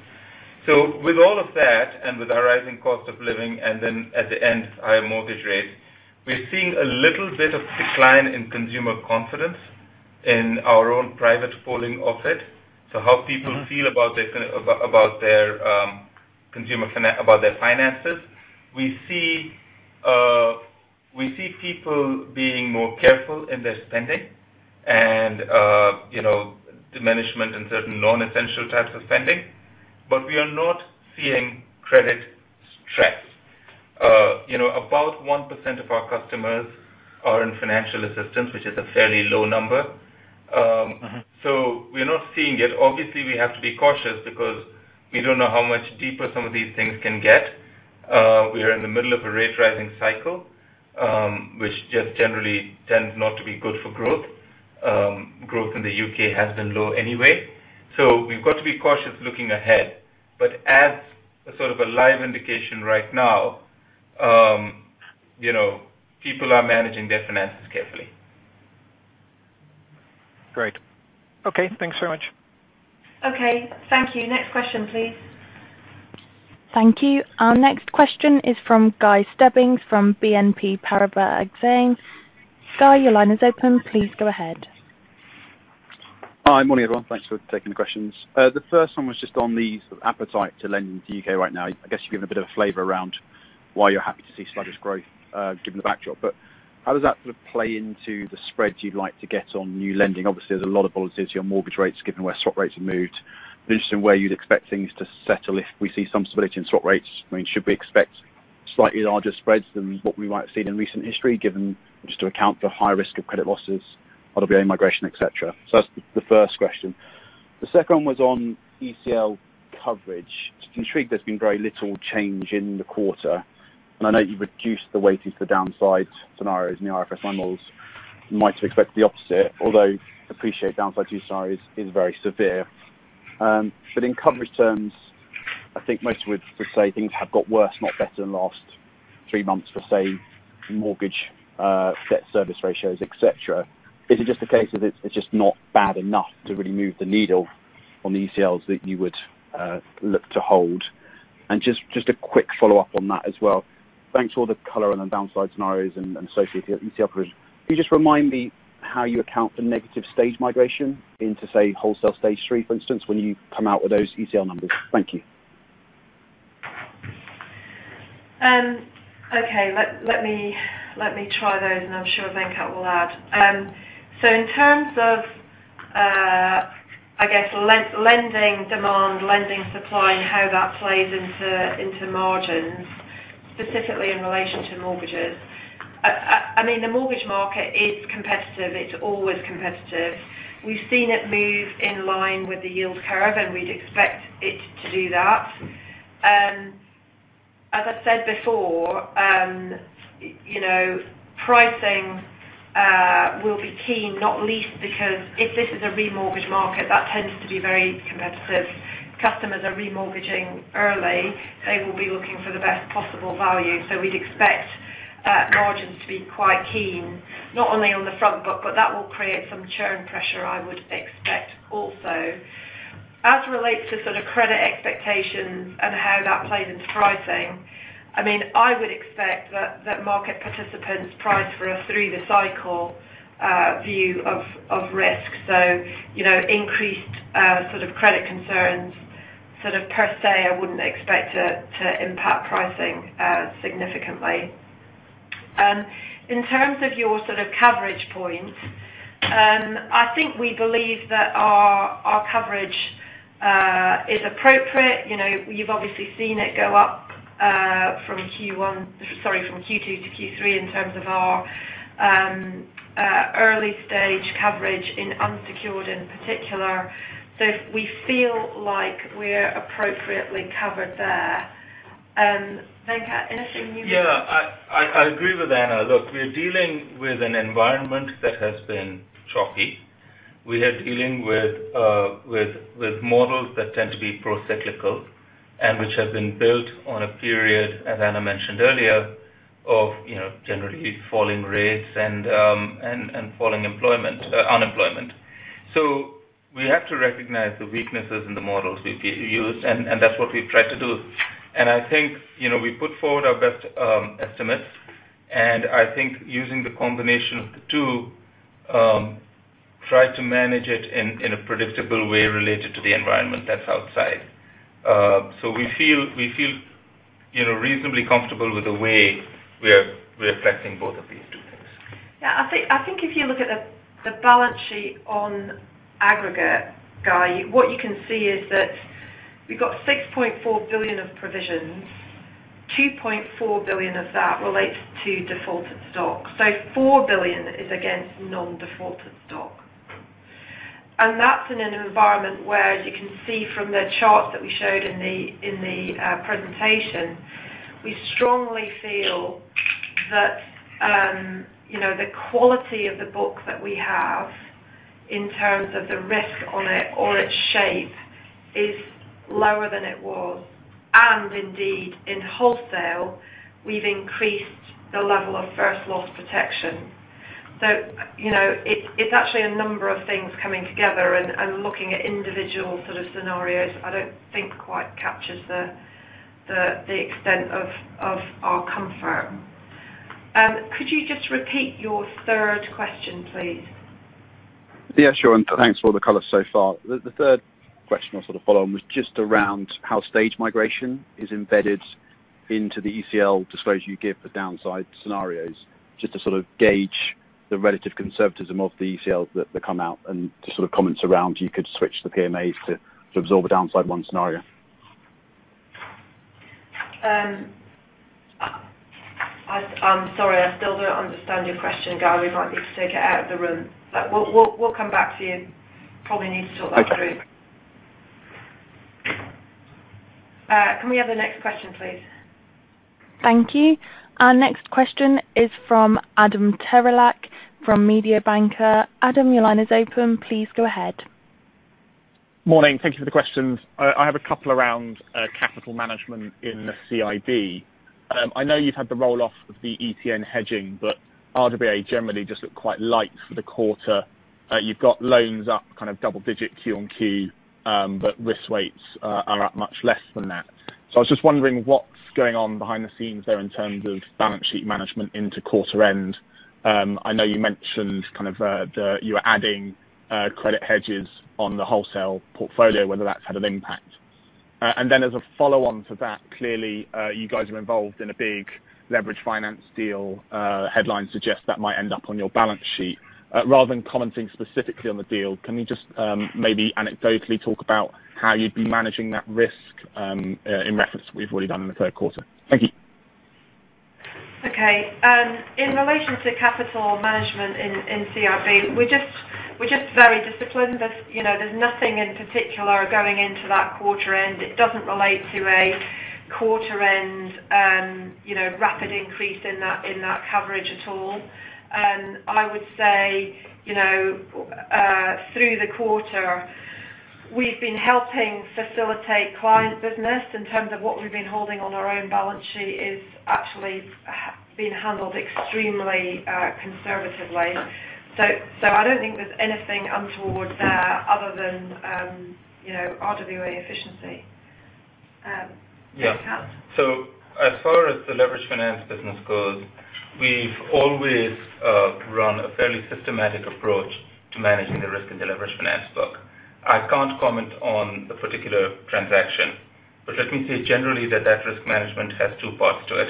With all of that, and with our rising cost of living, and then at the end, higher mortgage rates, we're seeing a little bit of decline in consumer confidence in our own private polling of it. Mm-hmm. How people feel about their finances. We see people being more careful in their spending and, you know, diminishment in certain non-essential types of spending. We are not seeing credit stress. You know, about 1% of our customers are in financial assistance, which is a fairly low number. We're not seeing it. Obviously, we have to be cautious because we don't know how much deeper some of these things can get. We are in the middle of a rate rising cycle, which just generally tends not to be good for growth. Growth in the UK has been low anyway, we've got to be cautious looking ahead. As a sort of a live indication right now, you know, people are managing their finances carefully. Great. Okay. Thanks so much. Okay. Thank you. Next question, please. Thank you. Our next question is from Guy Stebbings from BNP Paribas Exane. Guy, your line is open. Please go ahead. Hi. Morning, everyone. Thanks for taking the questions. The first one was just on the appetite to lend in the UK right now. I guess you've given a bit of a flavor around why you're happy to see sluggish growth, given the backdrop. How does that sort of play into the spreads you'd like to get on new lending? Obviously, there's a lot of volatility on mortgage rates given where swap rates have moved. I'd be interested in where you'd expect things to settle if we see some stability in swap rates. I mean, should we expect slightly larger spreads than what we might have seen in recent history, given just to account for high risk of credit losses, RWA migration, et cetera? That's the first question. The second one was on ECL coverage. Just intrigued, there's been very little change in the quarter, and I know you've reduced the weighting for downside scenarios in the IFRS 9 models. You might have expected the opposite, although I appreciate the downside you saw is very severe. But in coverage terms, I think most would say things have got worse, not better in the last three months for, say, mortgage debt service ratios, et cetera. Is it just a case of it's just not bad enough to really move the needle on the ECLs that you would look to hold? Just a quick follow-up on that as well. Thanks for all the color on the downside scenarios and associated ECL coverage. Can you just remind me how you account for negative stage migration into, say, wholesale stage three, for instance, when you come out with those ECL numbers? Thank you. Let me try those, and I'm sure Venkat will add. In terms of, I guess, lending demand, lending supply, and how that plays into margins, specifically in relation to mortgages. I mean, the mortgage market is competitive. It's always competitive. We've seen it move in line with the yield curve, and we'd expect it to do that. As I said before, you know, pricing will be key, not least, because if this is a remortgage market, that tends to be very competitive. Customers are remortgaging early. They will be looking for the best possible value. We'd expect margins to be quite keen, not only on the front book, but that will create some churn pressure, I would expect also. As relates to sort of credit expectations and how that plays into pricing, I mean, I would expect that market participants price for a through the cycle view of risk. You know, increased sort of credit concerns sort of per se, I wouldn't expect to impact pricing significantly. In terms of your sort of coverage point, I think we believe that our coverage is appropriate. You know, you've obviously seen it go up from second quarter to third quarter in terms of our early stage coverage in unsecured in particular. We feel like we're appropriately covered there. Venkat, anything you... Yeah. I agree with Anna. Look, we're dealing with an environment that has been choppy. We are dealing with models that tend to be procyclical and which have been built on a period, as Anna mentioned earlier, of you know, generally falling rates and falling unemployment. We have to recognize the weaknesses in the models we use, and that's what we've tried to do. I think, you know, we put forward our best estimates, and I think using the combination of the two, try to manage it in a predictable way related to the environment that's outside. We feel, you know, reasonably comfortable with the way we're affecting both of these two things. I think if you look at the balance sheet on aggregate, Guy, what you can see is that we've got 6.4 billion of provisions. 2.4 billion of that relates to defaulted stock. 4 billion is against non-defaulted stock. That's in an environment where, as you can see from the charts that we showed in the presentation, we strongly feel that, you know, the quality of the book that we have in terms of the risk on it or its shape is lower than it was. Indeed, in wholesale, we've increased the level of first loss protection. You know, it's actually a number of things coming together and looking at individual sort of scenarios, I don't think quite captures the extent of our comfort. Could you just repeat your third question, please? Yeah, sure. Thanks for the color so far. The third question or sort of follow on was just around how stage migration is embedded into the ECL disclosure you give for downside scenarios, just to sort of gauge the relative conservatism of the ECL that come out and just sort of comments around, you could switch the PMAs to absorb a downside one scenario. I'm sorry. I still don't understand your question, Guy. We might need to take it out of the room. We'll come back to you. Probably need to talk that through. Okay. Can we have the next question, please? Thank you. Our next question is from Adam Terelak from Mediobanca. Adam, your line is open. Please go ahead. Morning. Thank you for the questions. I have a couple around capital management in the CIB. I know you've had the roll-off of the ETN hedging, but RWA generally just look quite light for the quarter. You've got loans up kind of double digit quarter on quarter. But risk weights are up much less than that. I was just wondering what's going on behind the scenes there in terms of balance sheet management into quarter end. I know you mentioned kind of you were adding credit hedges on the wholesale portfolio, whether that's had an impact. And then as a follow-on to that, clearly, you guys are involved in a big leveraged finance deal. Headlines suggest that might end up on your balance sheet. Rather than commenting specifically on the deal, can you just maybe anecdotally talk about how you'd be managing that risk, in reference to what you've already done in the third quarter? Thank you. Okay. In relation to capital management in CIB, we're just very disciplined. You know, there's nothing in particular going into that quarter end. It doesn't relate to a quarter end, you know, rapid increase in that coverage at all. I would say, you know, through the quarter, we've been helping facilitate client business in terms of what we've been holding on our own balance sheet is actually being handled extremely conservatively. So I don't think there's anything untoward there other than, you know, RWA efficiency. Venkat? Yeah. As far as the leveraged finance business goes, we've always run a fairly systematic approach to managing the risk in the leveraged finance book. I can't comment on the particular transaction, but let me say generally that that risk management has two parts to it.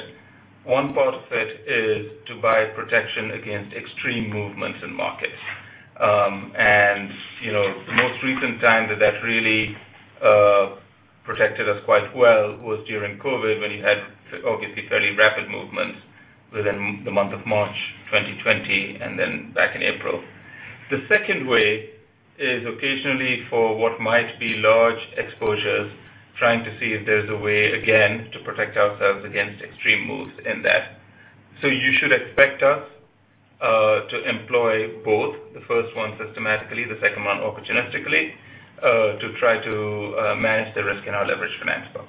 One part of it is to buy protection against extreme movements in markets. You know, the most recent time that that really protected us quite well was during COVID, when you had obviously fairly rapid movements within the month of March 2020 and then back in April. The second way is occasionally for what might be large exposures, trying to see if there's a way, again, to protect ourselves against extreme moves in that. You should expect us to employ both the first one systematically, the second one opportunistically, to try to manage the risk in our leveraged finance book.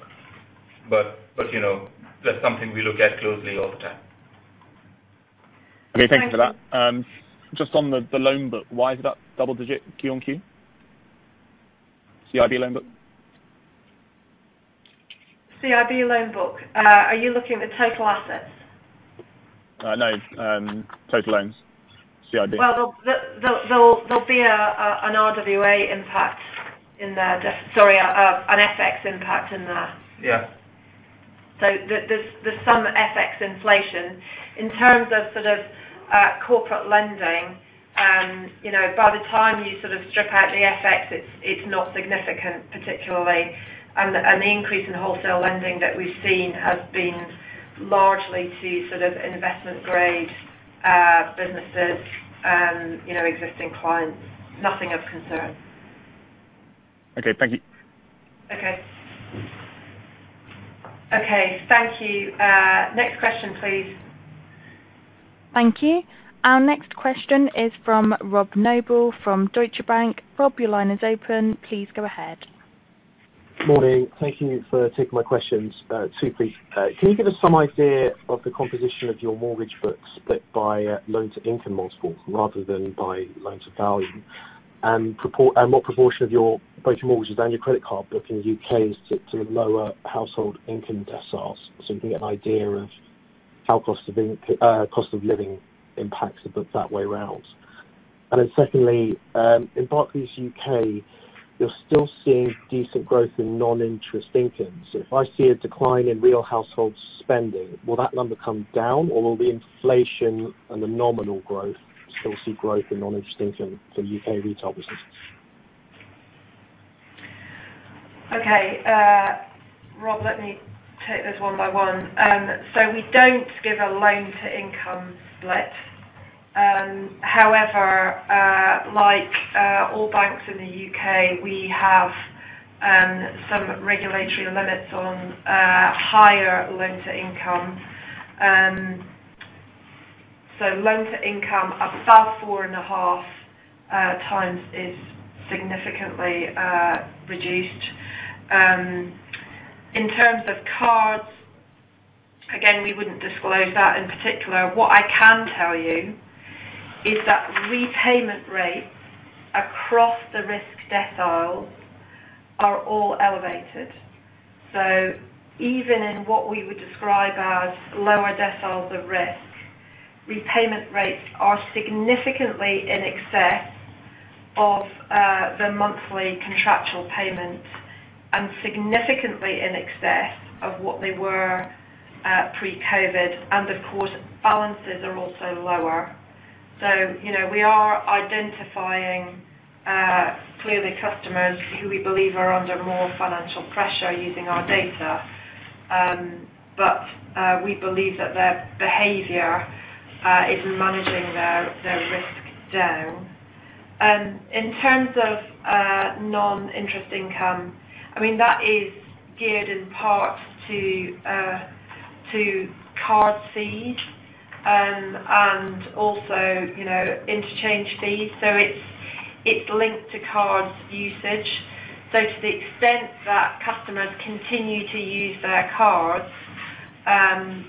But you know, that's something we look at closely all the time. Okay... Thank you for that. Thank you. Just on the loan book, why is it up double digit quarter on quarter? CIB loan book. CIB loan book. Are you looking at the total assets? No. Total loans. CIB. Well, there'll be an RWA impact in there. Sorry, an FX impact in there. Yeah. There, there's some FX inflation. In terms of sort of, corporate lending, you know, by the time you sort of strip out the FX, it's not significant particularly. The increase in wholesale lending that we've seen has been largely to sort of investment grade, businesses and, you know, existing clients. Nothing of concern. Okay. Thank you. Okay. Thank you. Next question, please. Thank you. Our next question is from Robert Noble from Deutsche Bank. Rob, your line is open. Please go ahead. Morning. Thank you for taking my questions. Two please. Can you give us some idea of the composition of your mortgage books split by loan to income multiple rather than by loan to value? What proportion of both your mortgages and your credit card book in the UK is to lower household income deciles, so we can get an idea of how cost of living impacts it, but that way around. Secondly, in Barclays UK, you're still seeing decent growth in non-interest income. If I see a decline in real household spending, will that number come down or will the inflation and the nominal growth still see growth in non-interest income for UK retail businesses? Okay. Rob, let me take those one by one. We don't give a loan to income split. However, like, all banks in the UK, we have some regulatory limits on higher loan to income. Loan to income above 4.5x is significantly reduced. In terms of cards, again, we wouldn't disclose that in particular. What I can tell you is that repayment rates across the risk decile are all elevated. Even in what we would describe as lower deciles of risk, repayment rates are significantly in excess of the monthly contractual payments and significantly in excess of what they were pre-COVID. Of course, balances are also lower. You know, we are identifying clearly customers who we believe are under more financial pressure using our data. We believe that their behavior is managing their risk down. In terms of non-interest income, I mean, that is geared in part to card fees and also, you know, interchange fees. It’s linked to card usage. To the extent that customers continue to use their cards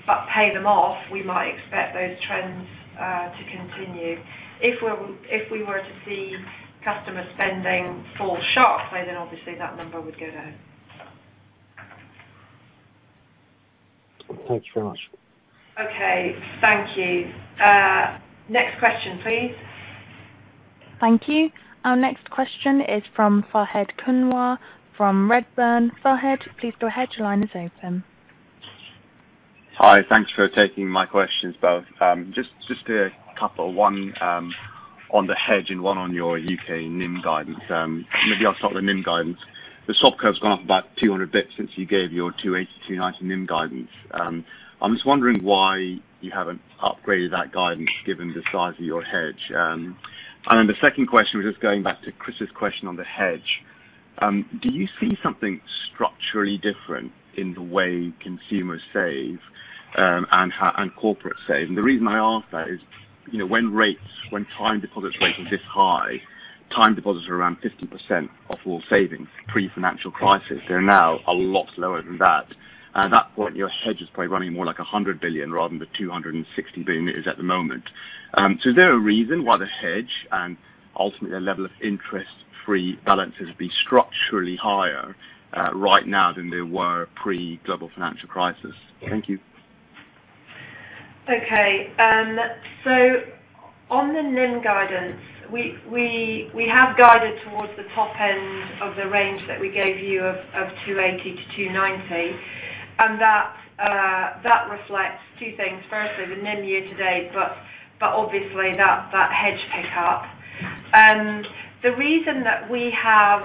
but pay them off, we might expect those trends to continue. If we were to see customer spending fall sharply, then obviously that number would go down. Thank you very much. Okay. Thank you. Next question, please. Thank you. Our next question is from Fahed Kunwar from Redburn. Fahed, please go ahead. Your line is open. Hi. Thanks for taking my questions as well. Just a couple. One, on the hedge and one on your UK NIM guidance. Maybe I'll start with NIM guidance. The swap curve's gone up about 200-basis points since you gave your 2.8% to 2.90% NIM guidance. I'm just wondering why you haven't upgraded that guidance given the size of your hedge. Then the second question was just going back to Chris's question on the hedge. Do you see something structurally different in the way consumers save, and corporates save? The reason I ask that is, you know, when time deposits rates are this high, time deposits are around 50% of all savings pre-financial crisis. They're now a lot lower than that. At that point, your hedge is probably running more like 100 billion rather than the 260 billion it is at the moment. Is there a reason why the hedge and ultimately the level of interest free balances be structurally higher, right now than they were pre-Global Financial Crisis? Thank you. Okay. On the NIM guidance, we have guided towards the top end of the range that we gave you of 2.80% to 2.90%. That reflects two things. Firstly, the NIM year to date, obviously that hedge pick up. The reason that we have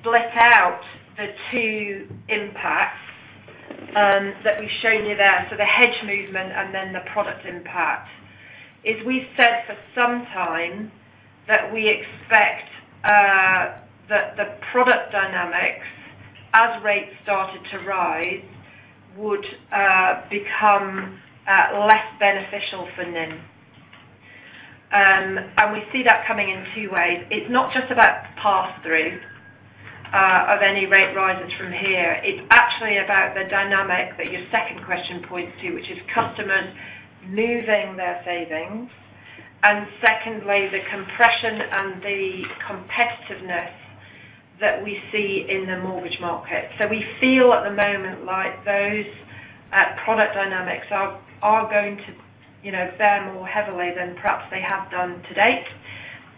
split out the two impacts that we've shown you there, so the hedge movement and then the product impact, is, we said for some time that we expect the product dynamics as rates started to rise would become less beneficial for NIM. We see that coming in two ways. It's not just about pass through of any rate rises from here. It's actually about the dynamic that your second question points to, which is customers moving their savings. Secondly, the compression and the competitiveness that we see in the mortgage market. We feel at the moment like those product dynamics are going to, you know, bear more heavily than perhaps they have done to date.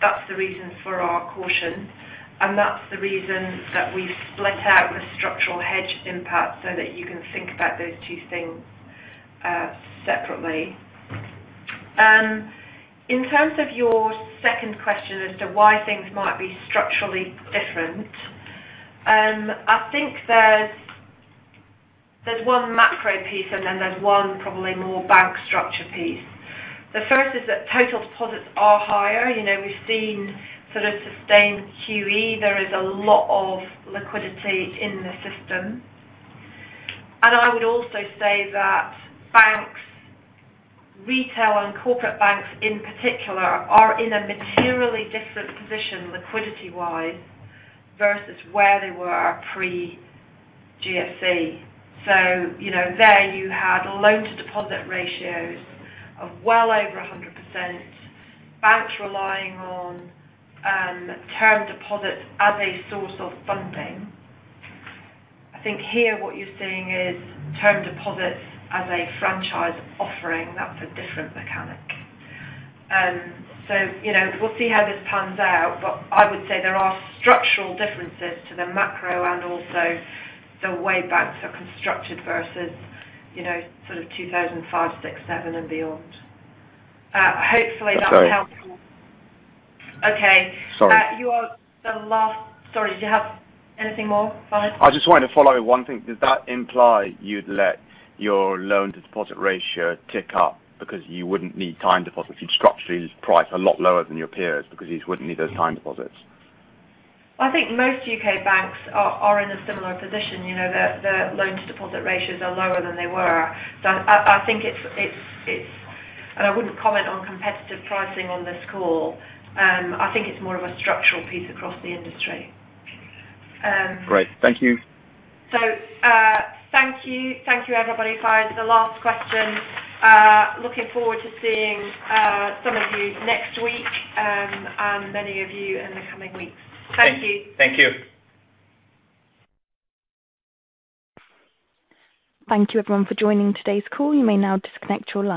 That's the reason for our caution, and that's the reason that we split out the structural hedge impact, so that you can think about those two things separately. In terms of your second question as to why things might be structurally different, I think there's one macro piece and then there's one probably more bank structure piece. The first is that total deposits are higher. You know, we've seen sort of sustained QE. There is a lot of liquidity in the system. I would also say that banks, retail and corporate banks in particular, are in a materially different position liquidity-wise versus where they were pre-GFC. You know, there you had loan-to-deposit ratios of well over 100%. Banks relying on term deposits as a source of funding. I think here what you're seeing is term deposits as a franchise offering. That's a different mechanic. You know, we'll see how this pans out, but I would say there are structural differences to the macro and also the way banks are constructed versus, you know, sort of 2005, 2006, 2007 and beyond. Hopefully... that's helpful. Sorry. Okay. Sorry. Sorry. Do you have anything more, Fahed? I just wanted to follow one thing. Does that imply you'd let your loan-to-deposit ratio tick up because you wouldn't need time deposits? You'd structurally price a lot lower than your peers because you just wouldn't need those time deposits. I think most UK banks are in a similar position. You know, their loan-to-deposit ratios are lower than they were. I think it's. I wouldn't comment on competitive pricing on this call. I think it's more of a structural piece across the industry. Great. Thank you. Thank you. Thank you, everybody. Fahed, the last question. Looking forward to seeing some of you next week, and many of you in the coming weeks. Thank you. Thank you. Thank you, everyone, for joining today's call. You may now disconnect your line.